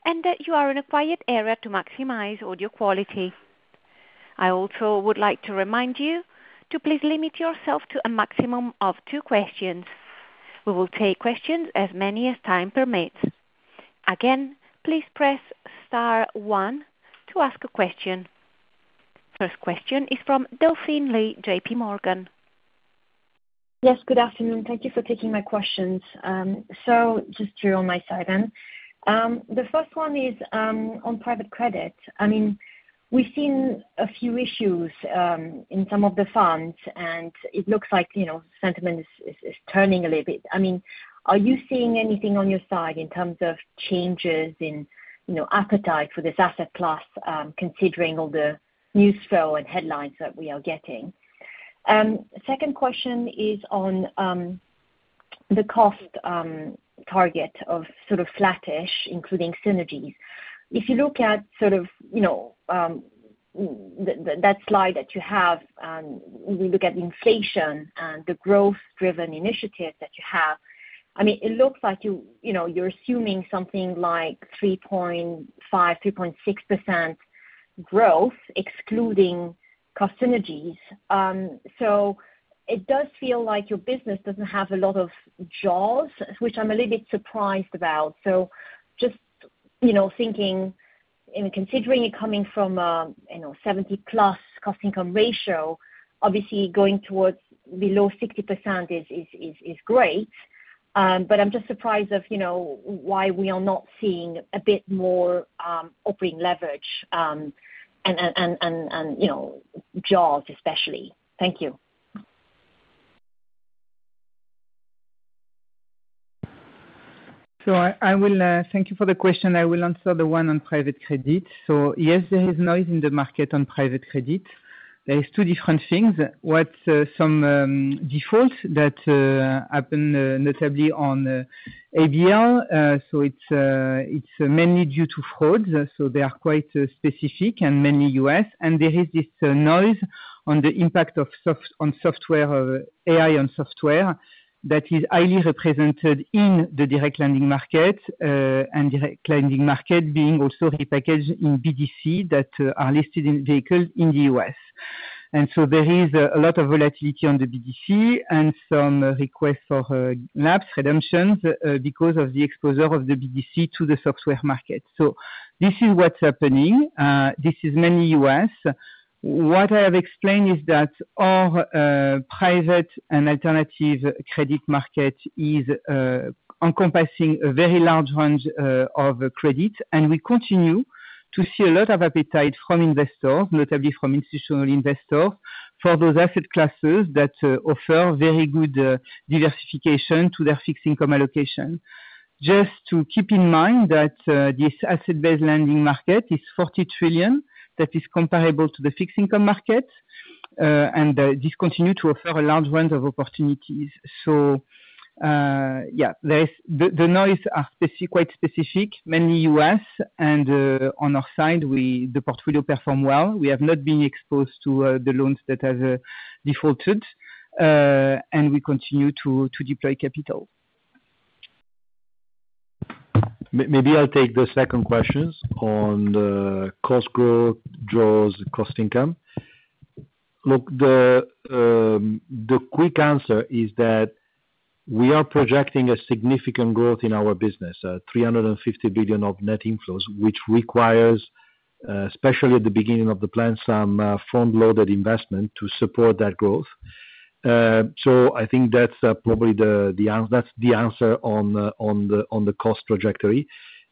and that you are in a quiet area to maximize audio quality. I also would like to remind you to please limit yourself to a maximum of two questions. We will take questions as many as time permits. Again, please press star one to ask a question. First question is from Delphine Lee, JPMorgan. Yes, good afternoon. Thank you for taking my questions. So just three on my side then. The first one is on private credit. I mean, we've seen a few issues in some of the funds, and it looks like, you know, sentiment is turning a little bit. I mean, are you seeing anything on your side in terms of changes in, you know, appetite for this asset class, considering all the news flow and headlines that we are getting? Second question is on the cost target of sort of flattish, including synergies. If you look at sort of, you know, that slide that you have, we look at inflation and the growth-driven initiative that you have. I mean, it looks like you know, you're assuming something like 3.5%-3.6% growth excluding cost synergies. It does feel like your business doesn't have a lot of jaws, which I'm a little bit surprised about. Just, you know, thinking and considering it coming from, you know, 70%+ cost income ratio, obviously going towards below 60% is great. I'm just surprised of, you know, why we are not seeing a bit more operating leverage, and you know, jaws especially. Thank you. I will thank you for the question. I will answer the one on private credit. Yes, there is noise in the market on private credit. There is two different things. Some defaults that happen notably on ABL. It's mainly due to frauds, so they are quite specific and mainly U.S. There is this noise on the impact of software, AI and software that is highly represented in the direct lending market, and direct lending market being also repackaged in BDC that are listed investment vehicles in the U.S. There is a lot of volatility on the BDC and some requests for ABS redemptions because of the exposure of the BDC to the software market. This is what's happening. This is mainly U.S. What I have explained is that our private and alternative credit market is encompassing a very large range of credit. We continue to see a lot of appetite from investors, notably from institutional investors, for those asset classes that offer very good diversification to their fixed income allocation. Just to keep in mind that this asset-based lending market is $40 trillion, that is comparable to the fixed income market. This continues to offer a large range of opportunities. The noise is quite specific, mainly U.S. and on our side, the portfolio performs well. We have not been exposed to the loans that have defaulted, and we continue to deploy capital. Maybe I'll take the second questions on the cost growth and cost income. Look, the quick answer is that we are projecting a significant growth in our business, 350 billion of net inflows, which requires, especially at the beginning of the plan, some front-loaded investment to support that growth. I think that's probably the answer on the cost trajectory.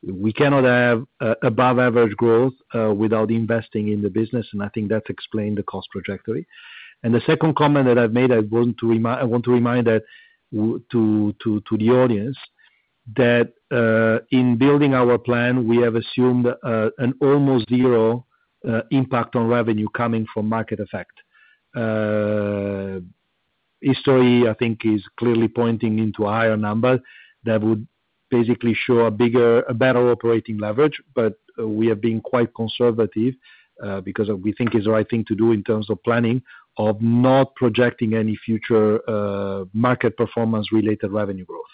We cannot have above average growth without investing in the business, and I think that explained the cost trajectory. The second comment that I've made, I want to remind the audience that in building our plan, we have assumed an almost zero impact on revenue coming from market effect. History, I think, is clearly pointing to a higher number that would basically show a bigger better operating leverage. We have been quite conservative because we think it's the right thing to do in terms of planning, of not projecting any future market performance related revenue growth.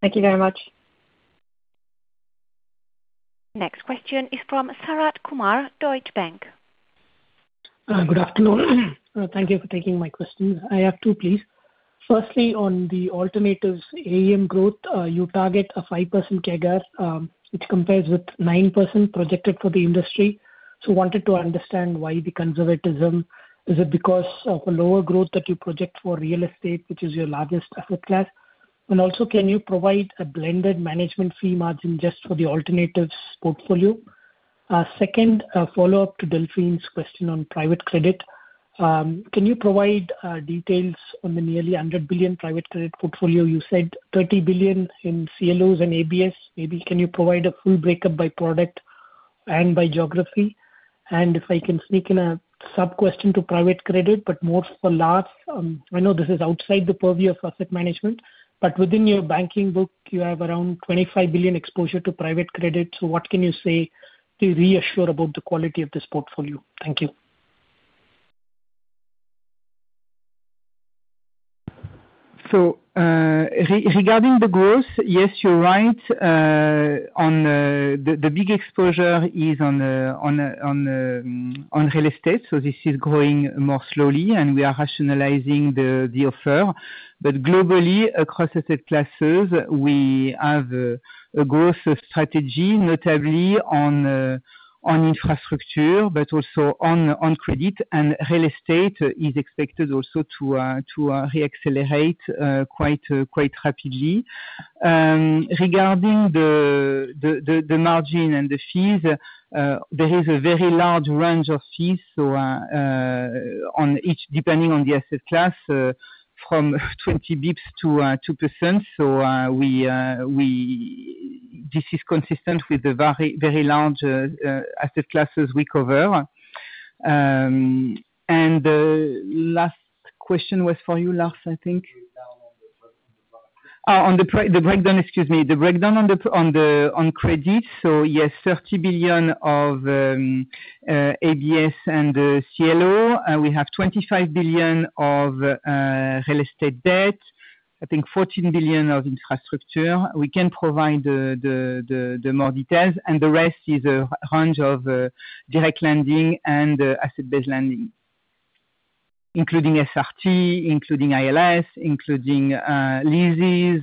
Thank you very much. Next question is from Sharath Kumar, Deutsche Bank. Good afternoon. Thank you for taking my question. I have two, please. Firstly, on the alternatives AUM growth, you target a 5% CAGR, which compares with 9% projected for the industry. Wanted to understand why the conservatism. Is it because of a lower growth that you project for real estate, which is your largest asset class? And also can you provide a blended management fee margin just for the alternatives portfolio? Second, a follow-up to Delphine's question on private credit. Can you provide details on the nearly 100 billion private credit portfolio? You said 30 billion in CLOs and ABS. Maybe can you provide a full breakdown by product and by geography? And if I can sneak in a sub question to private credit, but more for Lars. I know this is outside the purview of asset management, but within your banking book, you have around 25 billion exposure to private credit. What can you say to reassure about the quality of this portfolio? Thank you. Regarding the growth, yes, you're right. The big exposure is on real estate. This is growing more slowly, and we are rationalizing the offer. Globally, across asset classes, we have a growth strategy, notably on infrastructure, but also on credit. Real estate is expected also to re-accelerate quite rapidly. Regarding the margin and the fees, there is a very large range of fees, so on each, depending on the asset class, from 20 basis points to 2%. This is consistent with the very large asset classes we cover. The last question was for you, Lars, I think. The breakdown on the private credit. The breakdown, excuse me. The breakdown on credit. Yes, EUR 30 billion of ABS and CLO. We have 25 billion of real estate debt. I think 14 billion of infrastructure. We can provide more details, and the rest is a range of direct lending and asset-based lending, including SRT, including ILS, including leases,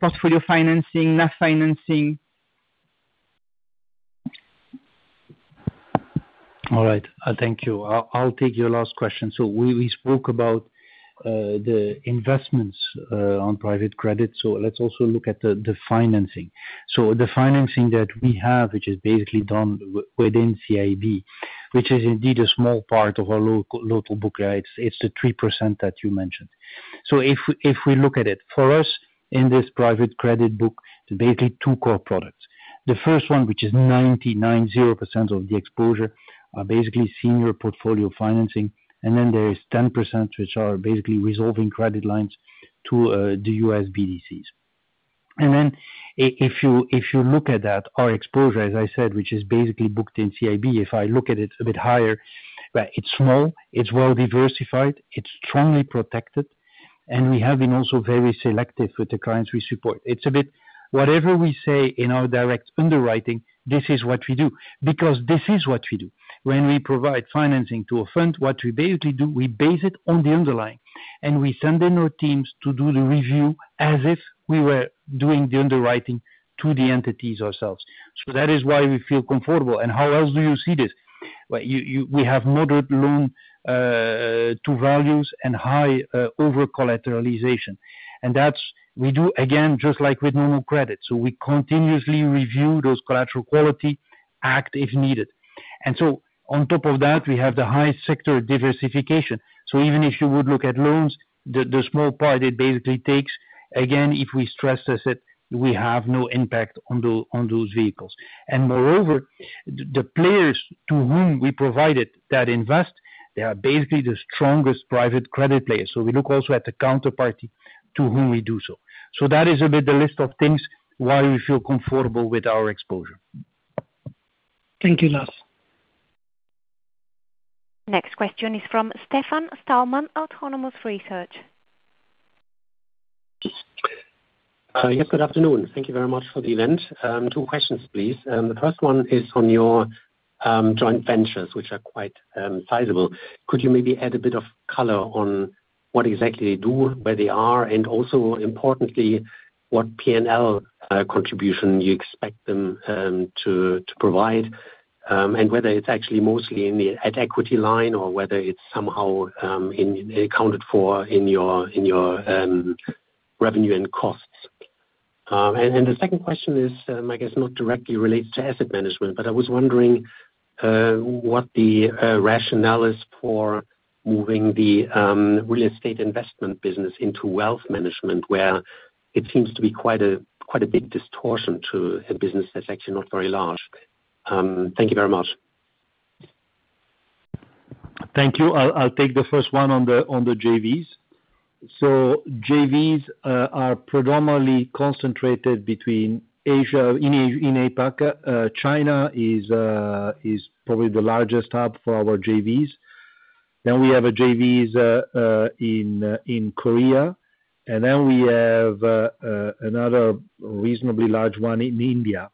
portfolio financing, lease financing. All right. Thank you. I'll take your last question. We spoke about the investments on private credit, so let's also look at the financing. The financing that we have, which is basically done within CIB, which is indeed a small part of our local book, right? It's the 3% that you mentioned. If we look at it, for us in this private credit book, it's basically two core products. The first one, which is 99.0% of the exposure, are basically senior portfolio financing, and then there is 10%, which are basically revolving credit lines to the U.S. BDCs. If you look at that, our exposure, as I said, which is basically booked in CIB, if I look at it a bit higher, right, it's small, it's well-diversified, it's strongly protected, and we have been also very selective with the clients we support. It's a bit whatever we say in our direct underwriting, this is what we do, because this is what we do. When we provide financing to a fund, what we basically do, we base it on the underlying, and we send in our teams to do the review as if we were doing the underwriting to the entities ourselves. That is why we feel comfortable. How else do you see this? Well, we have moderate loan-to-value and high over-collateralization. We do again, just like with normal credit. We continuously review those collateral quality, act if needed. On top of that, we have the highest sector diversification. Even if you would look at loans, the small part it basically takes, again, if we stress test it, we have no impact on those vehicles. Moreover, the players to whom we provided that invest, they are basically the strongest private credit players. We look also at the counterparty to whom we do so. That is a bit the list of things why we feel comfortable with our exposure. Thank you, Lars. Next question is from Stefan Stalmann at Autonomous Research. Yes, good afternoon. Thank you very much for the event. Two questions, please. The first one is on your joint ventures, which are quite sizable. Could you maybe add a bit of color on what exactly they do, where they are, and also importantly. What P&L contribution you expect them to provide, and whether it's actually mostly in the at-equity line or whether it's somehow accounted for in your revenue and costs? The second question is, I guess not directly related to asset management, but I was wondering what the rationale is for moving the real estate investment business into wealth management, where it seems to be quite a big distortion to a business that's actually not very large. Thank you very much. Thank you. I'll take the first one on the JVs. JVs are predominantly concentrated between Asia in APAC. China is probably the largest hub for our JVs. We have JVs in Korea, and we have another reasonably large one in India.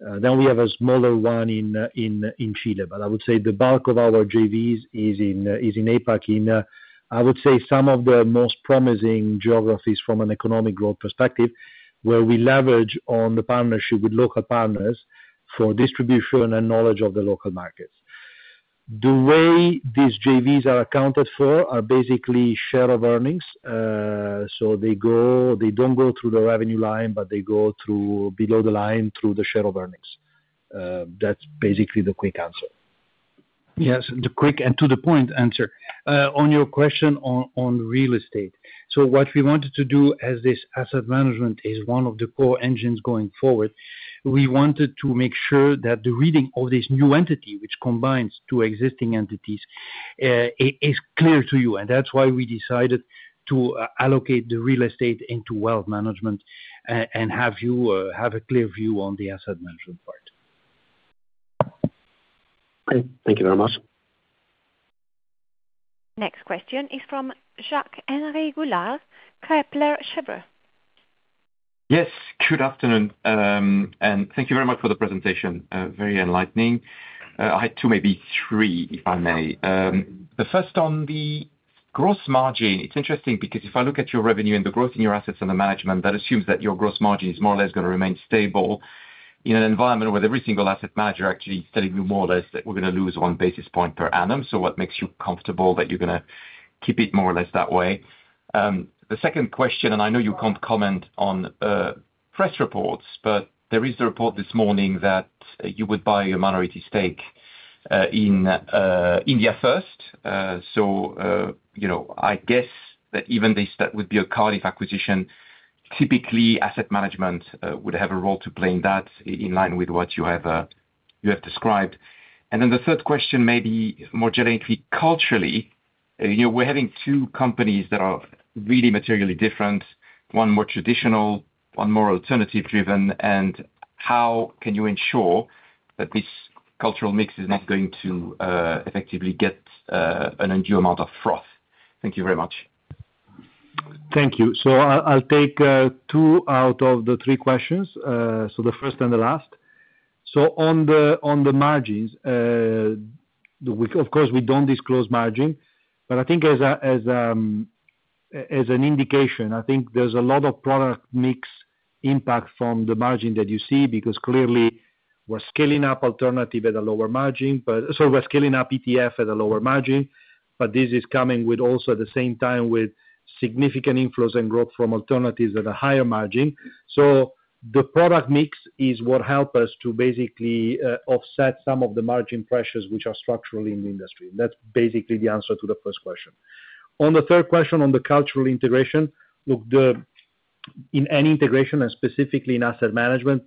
We have a smaller one in Chile. I would say the bulk of our JVs is in APAC, I would say some of the most promising geographies from an economic growth perspective, where we leverage on the partnership with local partners for distribution and knowledge of the local markets. The way these JVs are accounted for are basically share of earnings. They go...They don't go through the revenue line, but they go through below the line through the share of earnings. That's basically the quick answer. Yes, the quick and to the point answer. On your question on real estate. What we wanted to do, as this asset management is one of the core engines going forward, we wanted to make sure that the reading of this new entity, which combines two existing entities, is clear to you, and that's why we decided to allocate the real estate into wealth management and have you have a clear view on the asset management part. Okay. Thank you very much. Next question is from Jacques-Henri Gaulard, Kepler Cheuvreux. Yes, good afternoon. Thank you very much for the presentation, very enlightening. I had two, maybe three, if I may. The first on the gross margin. It's interesting because if I look at your revenue and the growth in your assets under management, that assumes that your gross margin is more or less gonna remain stable in an environment where every single asset manager actually telling you more or less that we're gonna lose one basis point per annum. What makes you comfortable that you're gonna keep it more or less that way? The second question, and I know you can't comment on press reports, but there is a report this morning that you would buy a minority stake in IndiaFirst. You know, I guess that even this, that would be a Cardif acquisition. Typically, asset management would have a role to play in that in line with what you have described. The third question, maybe more generally, culturally, you know, we're having two companies that are really materially different, one more traditional, one more alternative driven, and how can you ensure that this cultural mix is not going to effectively get an undue amount of froth? Thank you very much. Thank you. I'll take two out of the three questions, the first and the last. On the margins, of course, we don't disclose margin, but I think as an indication, I think there's a lot of product mix impact from the margin that you see, because clearly we're scaling up alternative at a lower margin, but we're scaling up ETF at a lower margin, but this is coming with also at the same time with significant inflows and growth from alternatives at a higher margin. The product mix is what help us to basically offset some of the margin pressures which are structurally in the industry. That's basically the answer to the first question. On the third question, on the cultural integration, look, in any integration, and specifically in asset management,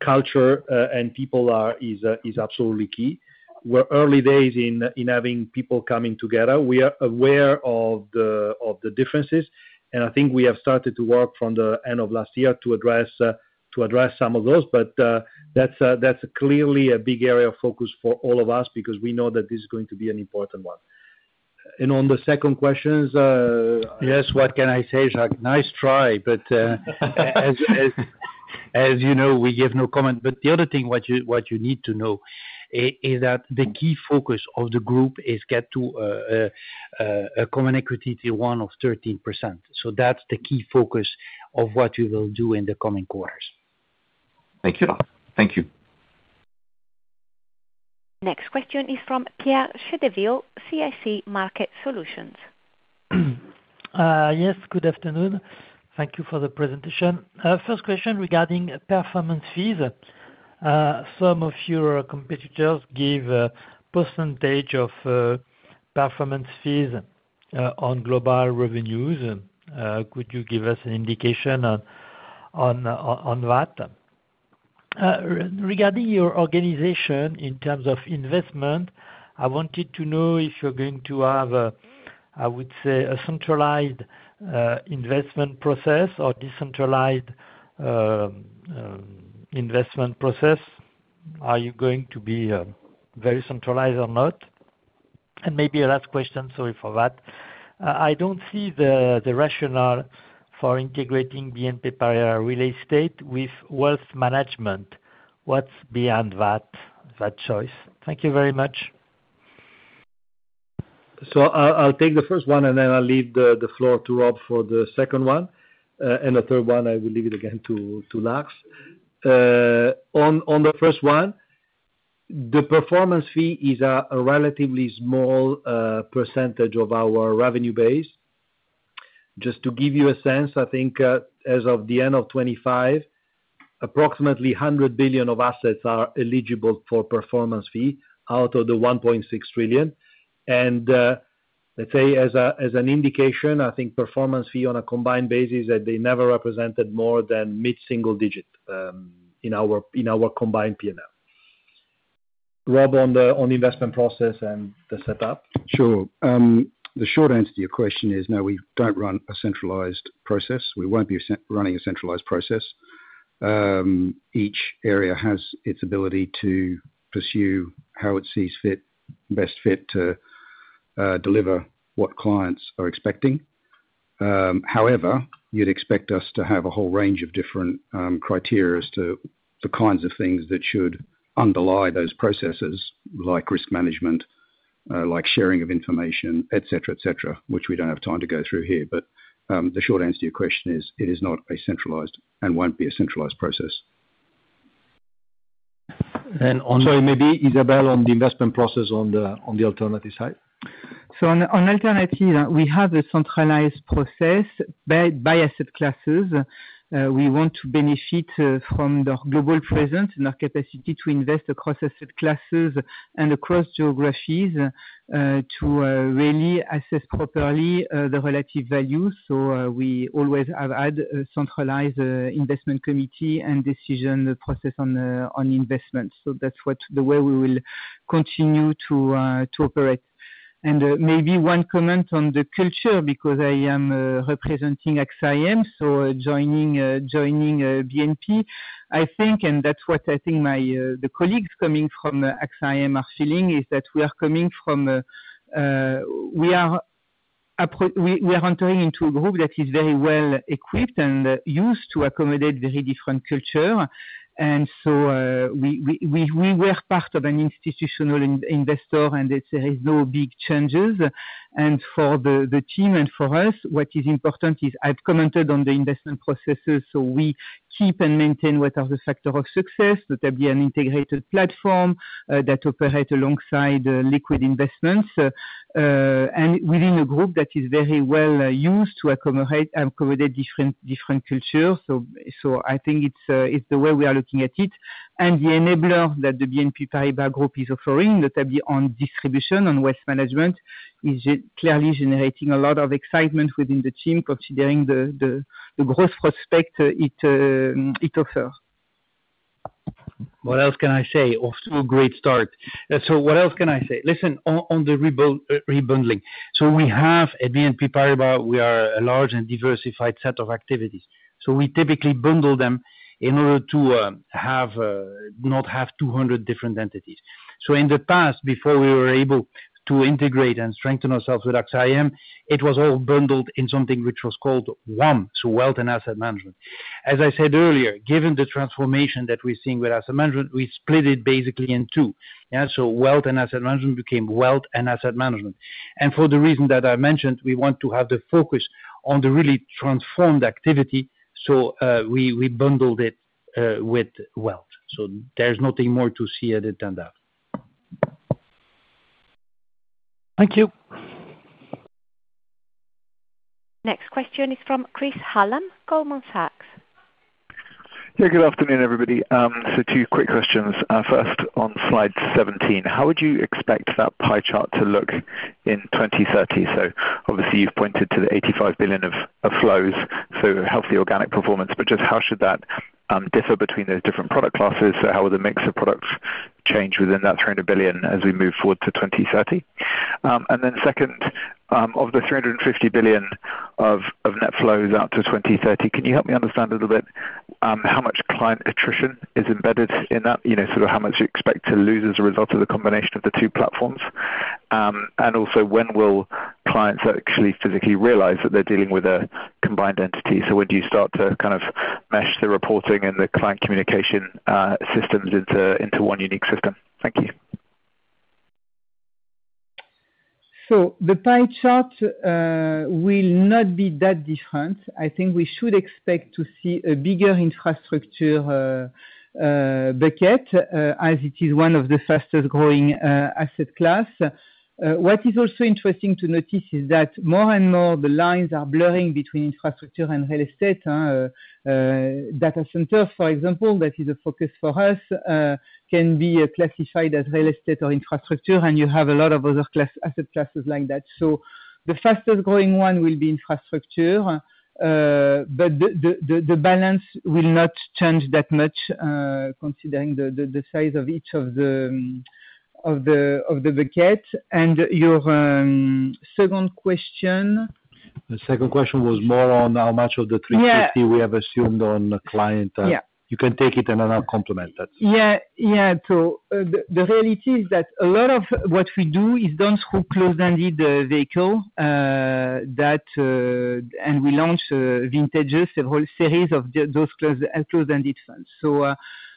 culture and people is absolutely key. We're early days in having people coming together. We are aware of the differences, and I think we have started to work from the end of last year to address some of those. That's clearly a big area of focus for all of us because we know that this is going to be an important one. On the second questions, Yes, what can I say, Jacques? Nice try. As you know, we give no comment. The other thing what you need to know is that the key focus of the group is to get to a Common Equity Tier 1 of 13%. That's the key focus of what we will do in the coming quarters. Thank you. Thank you. Next question is from Pierre Chédeville, CIC Market Solutions. Yes, good afternoon. Thank you for the presentation. First question regarding performance fees. Some of your competitors give a percentage of performance fees on global revenues. Could you give us an indication on that? Regarding your organization in terms of investment, I wanted to know if you're going to have a, I would say, a centralized investment process or decentralized investment process. Are you going to be very centralized or not? Maybe a last question, sorry for that. I don't see the rationale for integrating BNP Paribas Real Estate with wealth management. What's beyond that choice? Thank you very much. I'll take the first one, and then I'll leave the floor to Rob for the second one. The third one, I will leave it again to Lars. On the first one, the performance fee is a relatively small percentage of our revenue base. Just to give you a sense, I think, as of the end of 2025, approximately 100 billion of assets are eligible for performance fee out of the 1.6 trillion. Let's say as an indication, I think performance fee on a combined basis, that they never represented more than mid-single-digit% in our combined P&L. Rob, on the investment process and the setup. Sure. The short answer to your question is, no, we don't run a centralized process. We won't be running a centralized process. Each area has its ability to pursue how it sees fit, best fit to deliver what clients are expecting. However, you'd expect us to have a whole range of different criteria as to the kinds of things that should underlie those processes, like risk management, like sharing of information, et cetera, which we don't have time to go through here. The short answer to your question is, it is not a centralized and won't be a centralized process. And on- Sorry, maybe Isabelle on the investment process on the alternative side. On alternative, we have a centralized process by asset classes. We want to benefit from the global presence and our capacity to invest across asset classes and across geographies to really assess properly the relative value. We always have had a centralized investment committee and decision process on investment. That's what the way we will continue to operate. Maybe one comment on the culture because I am representing AXA IM, so joining BNP, I think, and that's what I think the colleagues coming from AXA IM are feeling, is that we are entering into a group that is very well equipped and used to accommodate very different culture. We were part of an institutional investor, and there is no big changes. For the team and for us, what is important is I've commented on the investment processes, so we keep and maintain what are the factor of success, that there be an integrated platform, that operate alongside liquid investments, and within a group that is very well used to accommodate different cultures. I think it's the way we are looking at it. The enabler that the BNP Paribas Group is offering, notably on distribution and wealth management, is clearly generating a lot of excitement within the team, considering the growth prospect it offers. What else can I say? Off to a great start. What else can I say? Listen, on the rebundling. We have at BNP Paribas, we are a large and diversified set of activities. We typically bundle them in order to not have 200 different entities. In the past, before we were able to integrate and strengthen ourselves with AXA IM, it was all bundled in something which was called WAM, so wealth and asset management. As I said earlier, given the transformation that we're seeing with asset management, we split it basically in two. Yeah, wealth and asset management became wealth and asset management. For the reason that I mentioned, we want to have the focus on the really transformed activity. We bundled it with wealth. There's nothing more to see other than that. Thank you. Next question is from Chris Hallam, Goldman Sachs. Yeah, good afternoon, everybody. Two quick questions. First on slide 17, how would you expect that pie chart to look in 2030? Obviously you've pointed to the 85 billion of flows, healthy organic performance, but just how should that differ between the different product classes? How will the mix of products change within that 300 billion as we move forward to 2030? And then second, of the 350 billion of net flows out to 2030, can you help me understand a little bit how much client attrition is embedded in that? You know, sort of how much you expect to lose as a result of the combination of the two platforms? And also, when will clients actually physically realize that they're dealing with a combined entity? When do you start to kind of mesh the reporting and the client communication systems into one unique system? Thank you. The pie chart will not be that different. I think we should expect to see a bigger infrastructure bucket as it is one of the fastest-growing asset class. What is also interesting to notice is that more and more the lines are blurring between infrastructure and real estate, data center, for example, that is a focus for us, can be classified as real estate or infrastructure, and you have a lot of other asset classes like that. The fastest-growing one will be infrastructure, but the balance will not change that much, considering the size of each of the bucket. Your second question? The second question was more on how much of the 350 we have assumed on the client. Yeah. You can take it, and then I'll complement that. Yeah. The reality is that a lot of what we do is done through closed-ended vehicles that and we launch vintages, a whole series of those closed-ended funds.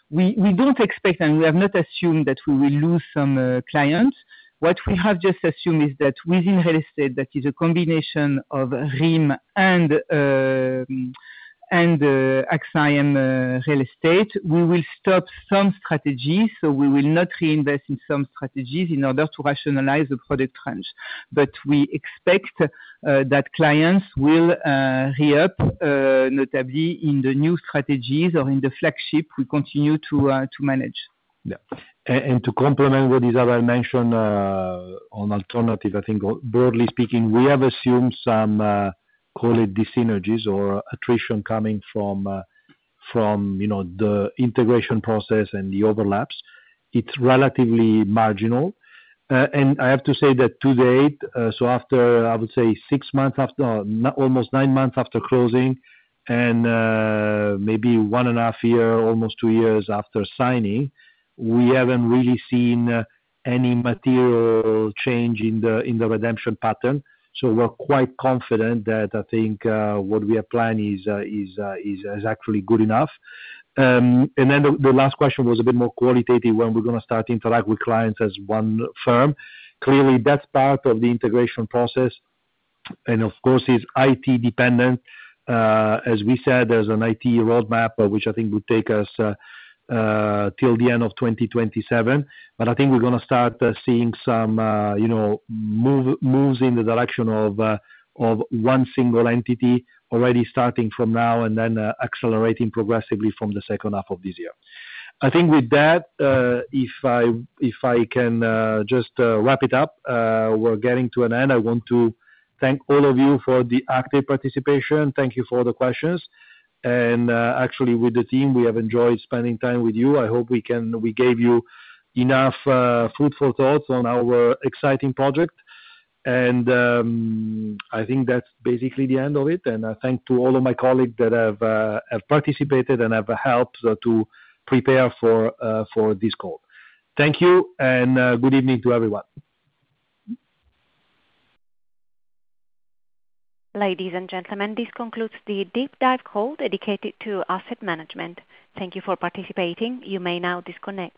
We don't expect, and we have not assumed that we will lose some clients. What we have just assumed is that within real estate, that is a combination of REIM and AXA IM real estate, we will stop some strategies, so we will not reinvest in some strategies in order to rationalize the product range. We expect that clients will re-up notably in the new strategies or in the flagship we continue to manage. Yeah. To complement what Isabelle mentioned on alternative, I think broadly speaking, we have assumed some call it dyssynergies or attrition coming from you know the integration process and the overlaps. It's relatively marginal. I have to say that to date after I would say six months after almost nine months after closing and maybe 1.5 year almost two years after signing, we haven't really seen any material change in the redemption pattern. We're quite confident that I think what we are planning is actually good enough. The last question was a bit more qualitative, when we're gonna start interact with clients as one firm. Clearly, that's part of the integration process and of course is IT dependent. As we said, there's an IT roadmap which I think will take us till the end of 2027, but I think we're gonna start seeing some, you know, moves in the direction of one single entity already starting from now and then accelerating progressively from the second half of this year. I think with that, if I can just wrap it up, we're getting to an end. I want to thank all of you for the active participation. Thank you for all the questions. Actually with the team, we have enjoyed spending time with you. We gave you enough fruitful thoughts on our exciting project. I think that's basically the end of it, and thanks to all of my colleagues that have participated and have helped to prepare for this call. Thank you, and good evening to everyone. Ladies and gentlemen, this concludes the deep dive call dedicated to asset management. Thank you for participating. You may now disconnect.